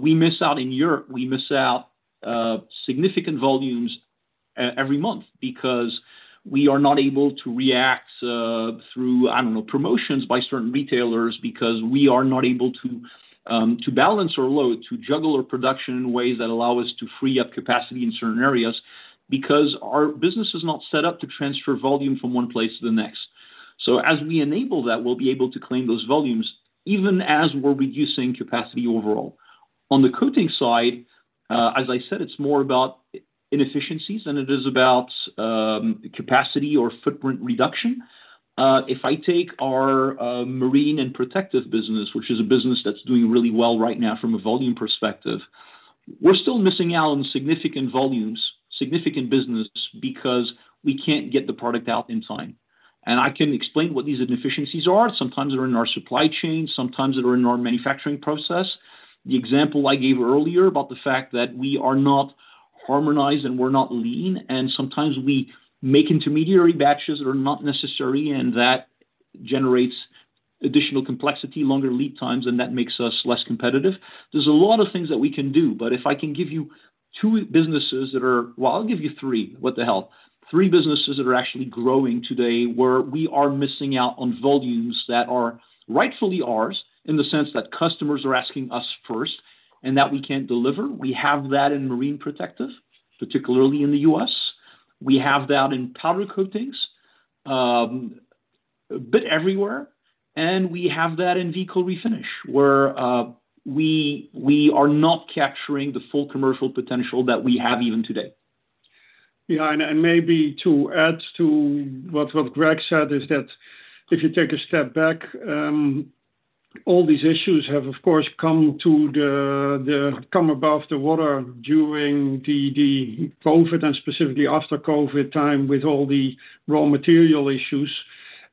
We miss out in Europe, we miss out significant volumes every month because we are not able to react through, I don't know, promotions by certain retailers, because we are not able to balance our load, to juggle our production in ways that allow us to free up capacity in certain areas, because our business is not set up to transfer volume from one place to the next. So as we enable that, we'll be able to claim those volumes, even as we're reducing capacity overall. On the coating side, as I said, it's more about inefficiencies than it is about, capacity or footprint reduction. If I take our Marine and Protective business, which is a business that's doing really well right now from a volume perspective. We're still missing out on significant volumes, significant business, because we can't get the product out in time. And I can explain what these inefficiencies are. Sometimes they're in our supply chain, sometimes they're in our manufacturing process. The example I gave earlier about the fact that we are not harmonized and we're not lean, and sometimes we make intermediary batches that are not necessary, and that generates additional complexity, longer lead times, and that makes us less competitive. There's a lot of things that we can do, but if I can give you two businesses that are well, I'll give you three, what the hell? Three businesses that are actually growing today, where we are missing out on volumes that are rightfully ours, in the sense that customers are asking us first, and that we can't deliver. We have that in Marine Protective, particularly in the U.S. We have that in Powder Coatings, but everywhere, and we have that in Vehicle Refinish, where we are not capturing the full commercial potential that we have even today. Yeah, and maybe to add to what Greg said, is that if you take a step back, all these issues have, of course, come above the water during the COVID, and specifically after COVID time, with all the raw material issues.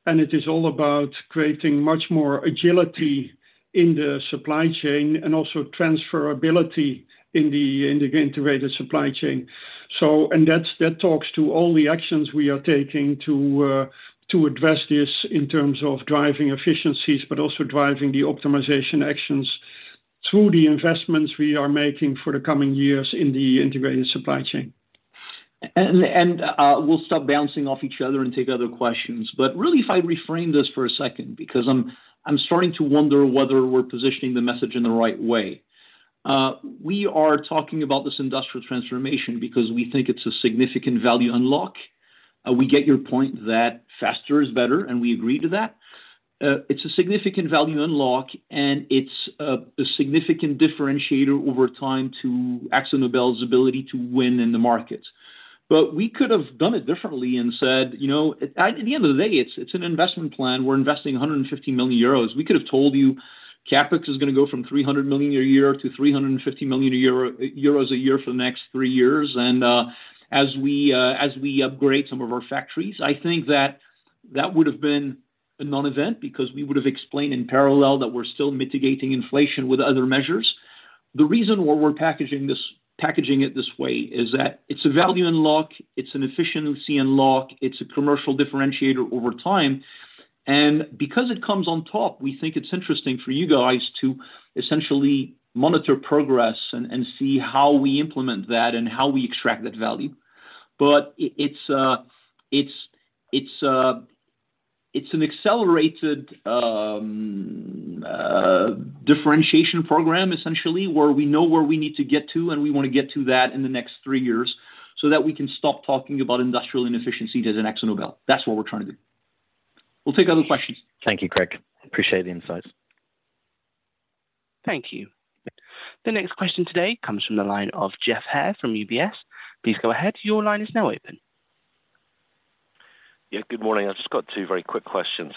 And it is all about creating much more agility in the supply chain and also transferability in the integrated supply chain. And that's what talks to all the actions we are taking to address this in terms of driving efficiencies, but also driving the optimization actions through the investments we are making for the coming years in the integrated supply chain. We'll stop bouncing off each other and take other questions. But really, if I reframe this for a second, because I'm starting to wonder whether we're positioning the message in the right way. We are talking about this industrial transformation because we think it's a significant value unlock. We get your point that faster is better, and we agree to that. It's a significant value unlock, and it's a significant differentiator over time to AkzoNobel's ability to win in the market. But we could have done it differently and said, you know, at the end of the day, it's an investment plan. We're investing 150 million euros. We could have told you CapEx is gonna go from 300 million a year to 350 million euro a year, euros a year for the next three years. And, as we, as we upgrade some of our factories, I think that that would have been a non-event because we would have explained in parallel that we're still mitigating inflation with other measures. The reason why we're packaging this, packaging it this way is that it's a value unlock, it's an efficiency unlock, it's a commercial differentiator over time. And because it comes on top, we think it's interesting for you guys to essentially monitor progress and see how we implement that and how we extract that value. But it's, it's, it's an accelerated differentiation program, essentially, where we know where we need to get to, and we wanna get to that in the next three years so that we can stop talking about industrial inefficiency as an AkzoNobel. That's what we're trying to do. We'll take other questions. Thank you, Greg. Appreciate the insights. Thank you. The next question today comes from the line of Geoff Haire from UBS. Please go ahead. Your line is now open. Yeah, good morning. I've just got two very quick questions.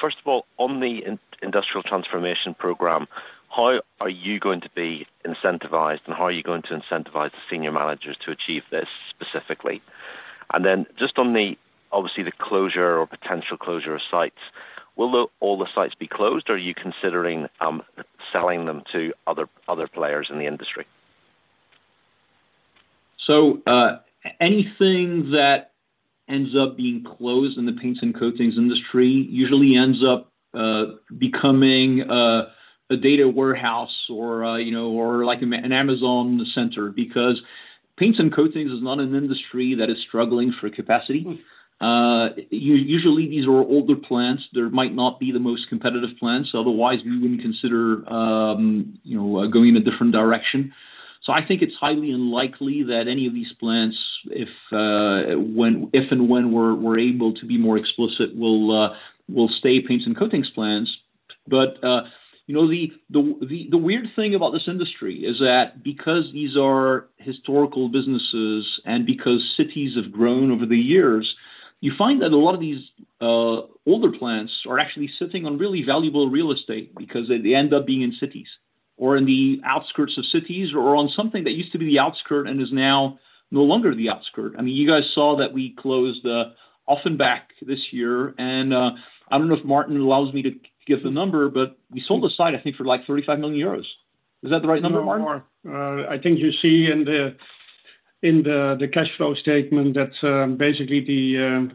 First of all, on the industrial transformation program, how are you going to be incentivized, and how are you going to incentivize the senior managers to achieve this specifically? And then just on the, obviously, the closure or potential closure of sites, will all the sites be closed, or are you considering, selling them to other, other players in the industry? So, anything that ends up being closed in the paints and coatings industry usually ends up becoming a data warehouse or, you know, or like an Amazon center, because paints and coatings is not an industry that is struggling for capacity. Usually, these are older plants. They might not be the most competitive plants, otherwise, we wouldn't consider, you know, going in a different direction. So I think it's highly unlikely that any of these plants, if and when we're able to be more explicit, will stay Paints and Coatings plants. But, you know, the weird thing about this industry is that because these are historical businesses and because cities have grown over the years, you find that a lot of these older plants are actually sitting on really valuable real estate because they end up being in cities or in the outskirts of cities, or on something that used to be the outskirt and is now no longer the outskirt. I mean, you guys saw that we closed the Offenbach this year, and I don't know if Maarten allows me to give the number, but we sold the site, I think, for, like, 35 million euros. Is that the right number, Maarten? More. I think you see in the cash flow statement that basically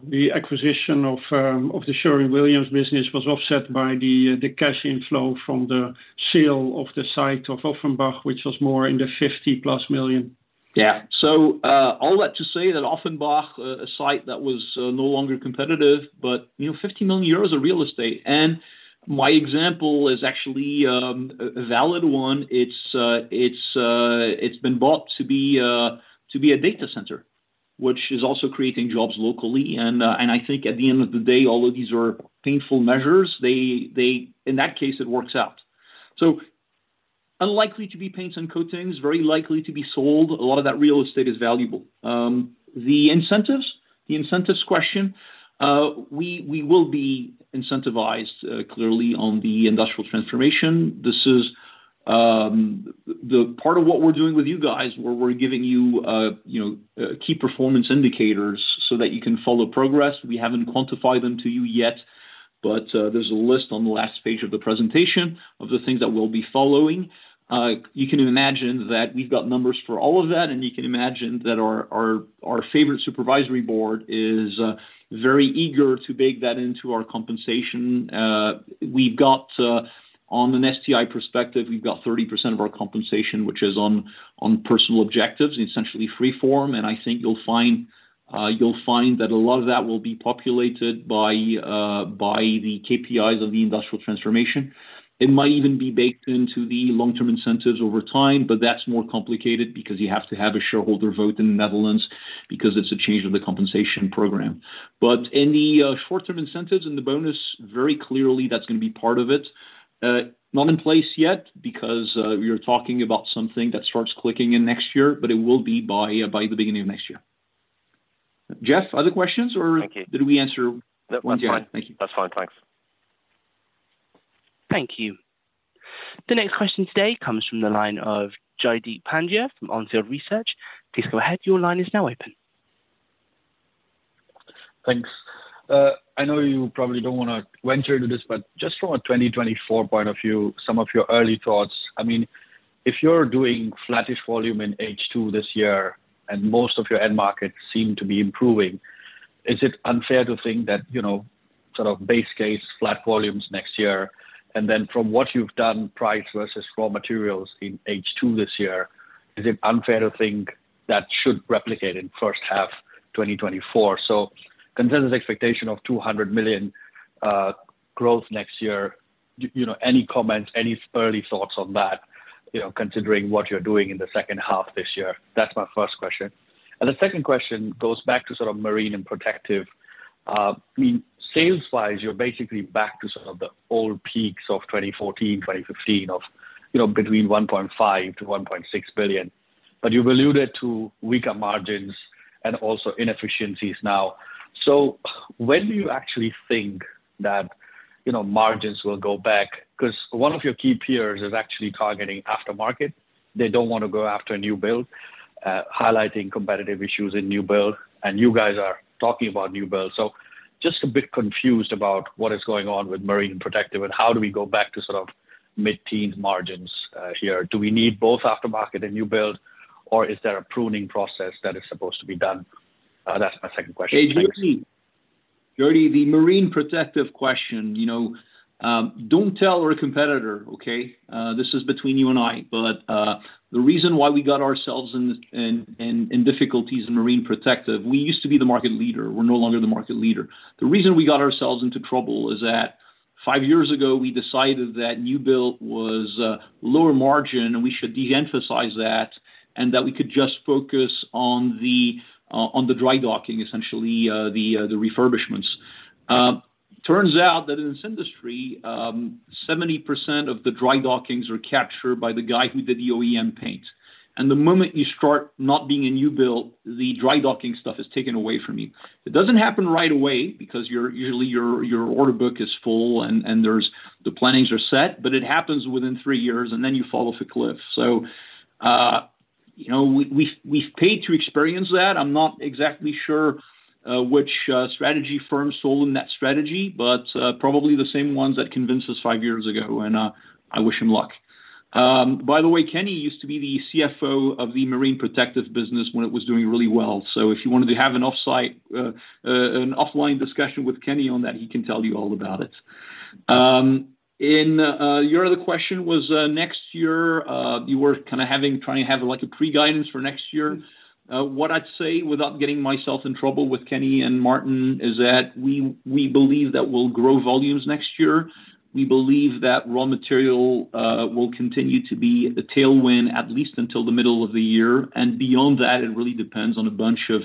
the acquisition of the Sherwin-Williams business was offset by the cash inflow from the sale of the site of Offenbach, which was more in the +50 million. Yeah. So, all that to say that Offenbach, a site that was no longer competitive, but, you know, 50 million euros of real estate. And my example is actually a valid one. It's been bought to be a data center, which is also creating jobs locally. And I think at the end of the day, although these are painful measures, they in that case, it works out. So unlikely to be paints and coatings, very likely to be sold. A lot of that real estate is valuable. The incentives? The incentives question, we will be incentivized clearly on the industrial transformation. This is the part of what we're doing with you guys, where we're giving you, you know, key performance indicators so that you can follow progress. We haven't quantified them to you yet, but, there's a list on the last page of the presentation of the things that we'll be following. You can imagine that we've got numbers for all of that, and you can imagine that our, our, our favorite supervisory board is, very eager to bake that into our compensation. We've got, on an STI perspective, we've got 30% of our compensation, which is on, on personal objectives, essentially free form. And I think you'll find, you'll find that a lot of that will be populated by, by the KPIs of the industrial transformation. It might even be baked into the long-term incentives over time, but that's more complicated because you have to have a shareholder vote in the Netherlands because it's a change of the compensation program. But in the short-term incentives and the bonus, very clearly, that's gonna be part of it. Not in place yet because we are talking about something that starts clicking in next year, but it will be by the beginning of next year. Geoff, other questions, or Okay. Did we answer? That's fine. Thank you. That's fine. Thanks. Thank you. The next question today comes from the line of Jaideep Pandya from On Field Research. Please go ahead. Your line is now open. Thanks. I know you probably don't wanna venture into this, but just from a 2024 point of view, some of your early thoughts. I mean, if you're doing flattish volume in H2 this year, and most of your end markets seem to be improving, is it unfair to think that, you know, sort of base case, flat volumes next year? And then from what you've done, price versus raw materials in H2 this year, is it unfair to think that should replicate in first half 2024? So consensus expectation of 200 million growth next year, you know, any comments, any early thoughts on that, you know, considering what you're doing in the second half this year? That's my first question. And the second question goes back to sort of marine and protective. I mean, sales wise, you're basically back to some of the old peaks of 2014, 2015, of, you know, between 1.5 billion and 1.6 billion. But you've alluded to weaker margins and also inefficiencies now. So when do you actually think that, you know, margins will go back? 'Cause one of your key peers is actually targeting aftermarket. They don't want to go after a new build, highlighting competitive issues in new build, and you guys are talking about new build. So just a bit confused about what is going on with marine protective and how do we go back to sort of mid-teen margins here. Do we need both aftermarket and new build, or is there a pruning process that is supposed to be done? That's my second question. Hey, Jaideep. Jaideep, the marine protective question, you know, don't tell our competitor, okay? This is between you and I. But, the reason why we got ourselves in difficulties in marine protective, we used to be the market leader. We're no longer the market leader. The reason we got ourselves into trouble is that five years ago, we decided that new build was lower margin, and we should de-emphasize that, and that we could just focus on the dry docking, essentially, the refurbishments. Turns out that in this industry, 70% of the dry dockings are captured by the guy who did the OEM paint. And the moment you start not being a new build, the dry docking stuff is taken away from you. It doesn't happen right away because usually your order book is full and there's the plannings are set, but it happens within three years, and then you fall off a cliff. So, you know, we've paid to experience that. I'm not exactly sure which strategy firm sold in that strategy, but probably the same ones that convinced us five years ago, and I wish them luck. By the way, Kenny used to be the CFO of the marine protective business when it was doing really well. So if you wanted to have an off-site, an offline discussion with Kenny on that, he can tell you all about it. Your other question was next year, you were kinda having, trying to have a pre-guidance for next year. What I'd say, without getting myself in trouble with Kenny and Maarten, is that we, we believe that we'll grow volumes next year. We believe that raw material will continue to be a tailwind, at least until the middle of the year, and beyond that, it really depends on a bunch of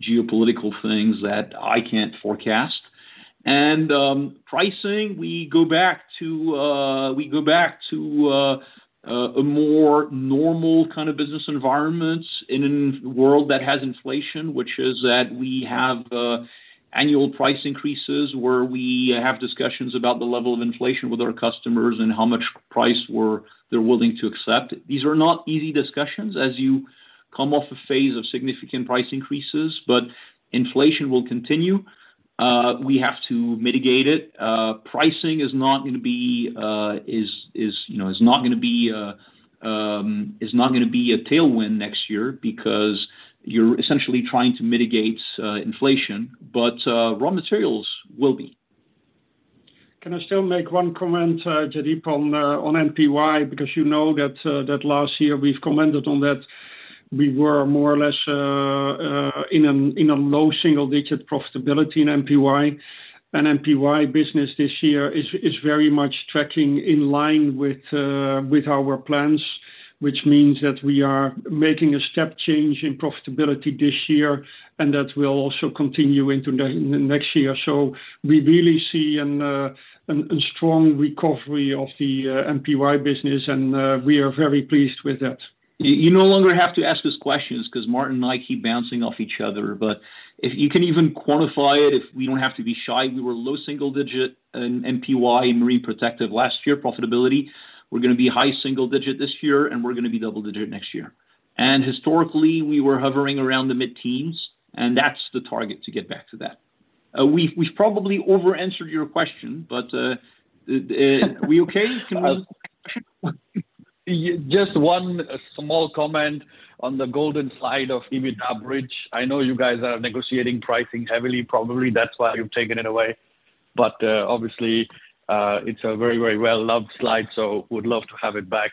geopolitical things that I can't forecast. Pricing, we go back to a more normal kind of business environment in a world that has inflation, which is that we have annual price increases, where we have discussions about the level of inflation with our customers and how much price we're, they're willing to accept. These are not easy discussions as you come off a phase of significant price increases, but inflation will continue. We have to mitigate it. Pricing is not gonna be, you know, a tailwind next year because you're essentially trying to mitigate inflation, but raw materials will be. Can I still make one comment, Jaideep, on NPY? Because you know that last year we've commented on that we were more or less in a low single-digit profitability in NPY. NPY business this year is very much tracking in line with our plans, which means that we are making a step change in profitability this year, and that will also continue into next year. So we really see a strong recovery of the NPY business, and we are very pleased with that. You no longer have to ask these questions. Maarten and I keep bouncing off each other, but if you can even quantify it, if we don't have to be shy, we were low single digit in NPY in Marine and Protective last year, profitability. We're gonna be high single digit this year, and we're gonna be double digit next year. And historically, we were hovering around the mid-teens, and that's the target to get back to that. We've probably over answered your question, but are we okay to? Just one small comment on the golden slide of EBITDA bridge. I know you guys are negotiating pricing heavily. Probably that's why you've taken it away. But, obviously, it's a very, very well loved slide, so would love to have it back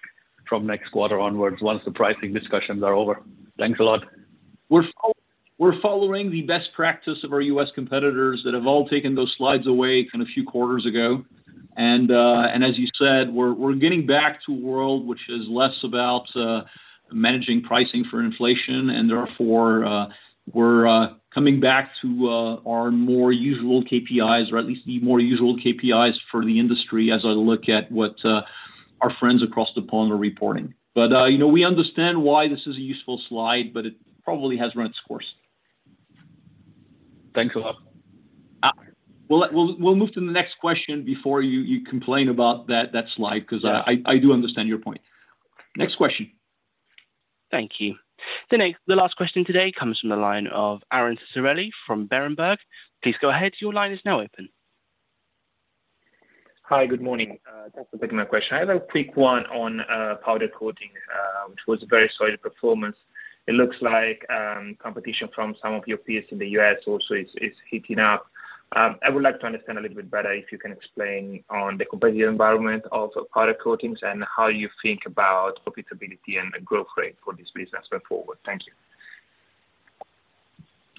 from next quarter onwards once the pricing discussions are over. Thanks a lot. We're following the best practice of our U.S. competitors that have all taken those slides away kind of a few quarters ago. And as you said, we're getting back to a world which is less about managing pricing for inflation, and therefore, we're coming back to our more usual KPIs, or at least the more usual KPIs for the industry as I look at what our friends across the pond are reporting. But you know, we understand why this is a useful slide, but it probably has run its course. Thanks a lot. We'll move to the next question before you complain about that slide, 'cause I do understand your point. Next question. Thank you. The last question today comes from the line of Aron Ceccarelli from Berenberg. Please go ahead. Your line is now open. Hi, good morning. Thanks for taking my question. I have a quick one on powder coating, which was a very solid performance. It looks like competition from some of your peers in the U.S. also is heating up. I would like to understand a little bit better if you can explain on the competitive environment of powder coatings and how you think about profitability and the growth rate for this business going forward. Thank you.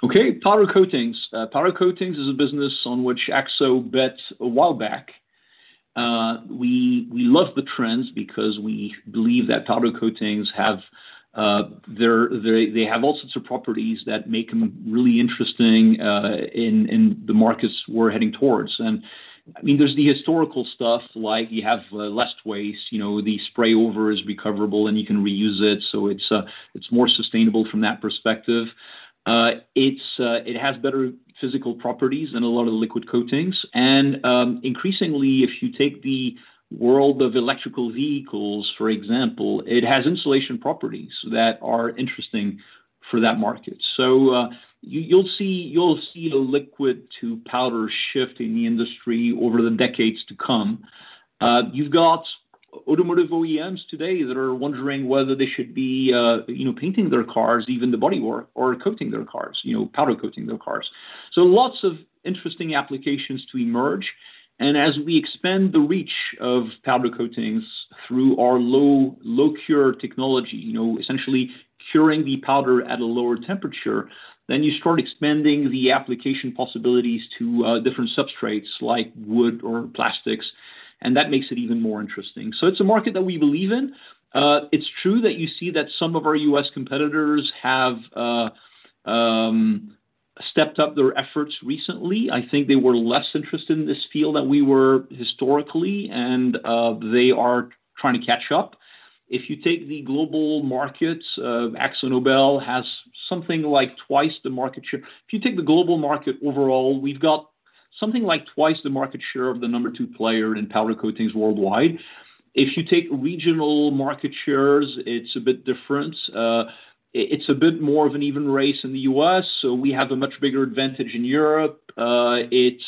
Okay, Powder Coatings. Powder Coatings is a business on which AkzoNobel bet a while back. We, we love the trends because we believe that Powder Coatings have they have all sorts of properties that make them really interesting in the markets we're heading towards. And, I mean, there's the historical stuff, like you have less waste. You know, the spray over is recoverable, and you can reuse it, so it's more sustainable from that perspective. It has better physical properties than a lot of the liquid coatings, and increasingly, if you take the world of electric vehicles, for example, it has insulation properties that are interesting for that market. So, you, you'll see, you'll see a liquid to powder shift in the industry over the decades to come. You've got automotive OEMs today that are wondering whether they should be, you know, painting their cars, even the bodywork, or coating their cars, you know, powder coating their cars. So lots of interesting applications to emerge. And as we expand the reach of powder coatings through our low, low-cure technology, you know, essentially curing the powder at a lower temperature, then you start expanding the application possibilities to different substrates, like wood or plastics, and that makes it even more interesting. So it's a market that we believe in. It's true that you see that some of our U.S. competitors have stepped up their efforts recently. I think they were less interested in this field than we were historically, and they are trying to catch up. If you take the global markets, AkzoNobel has something like twice the market share. If you take the global market overall, we've got something like twice the market share of the number two player in powder coatings worldwide. If you take regional market shares, it's a bit different. It's a bit more of an even race in the U.S., so we have a much bigger advantage in Europe. It's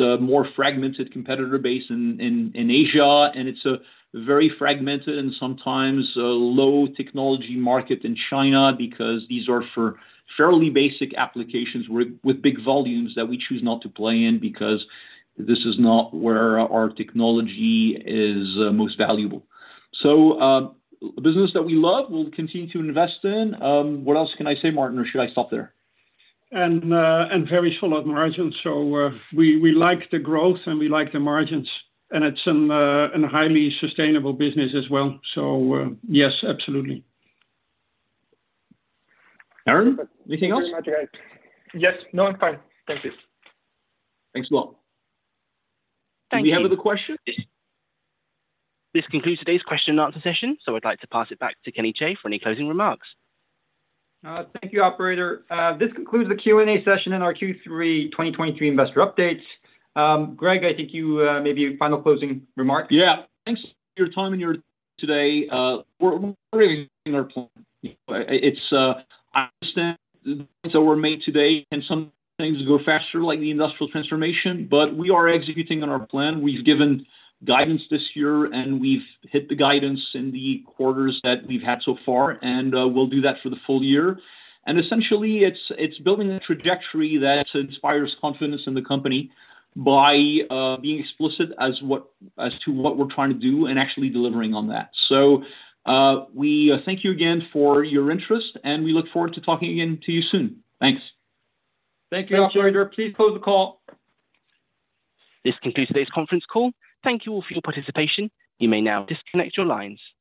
a more fragmented competitor base in Asia, and it's a very fragmented and sometimes a low technology market in China because these are for fairly basic applications with big volumes that we choose not to play in because this is not where our technology is most valuable. So, business that we love, we'll continue to invest in. What else can I say, Maarten, or should I stop there? And very solid margins. So, we like the growth, and we like the margins, and it's an highly sustainable business as well. So, yes, absolutely. Aron, anything else? Thank you very much, guys. Yes. No, I'm fine. Thank you. Thanks a lot. Thank you. Do we have other question? This concludes today's question and answer session, so I'd like to pass it back to Kenny Chae for any closing remarks. Thank you, operator. This concludes the Q&A session in our Q3 2023 investor update. Greg, I think you maybe a final closing remark. Yeah. Thanks for your time today. We're on our plan. It's understandable that we're ahead today and some things go faster, like the industrial transformation, but we are executing on our plan. We've given guidance this year, and we've hit the guidance in the quarters that we've had so far, and we'll do that for the full year. And essentially, it's building a trajectory that inspires confidence in the company by being explicit as to what we're trying to do and actually delivering on that. So, we thank you again for your interest, and we look forward to talking again to you soon. Thanks. Thank you. Operator, please close the call. This concludes today's conference call. Thank you all for your participation. You may now disconnect your lines.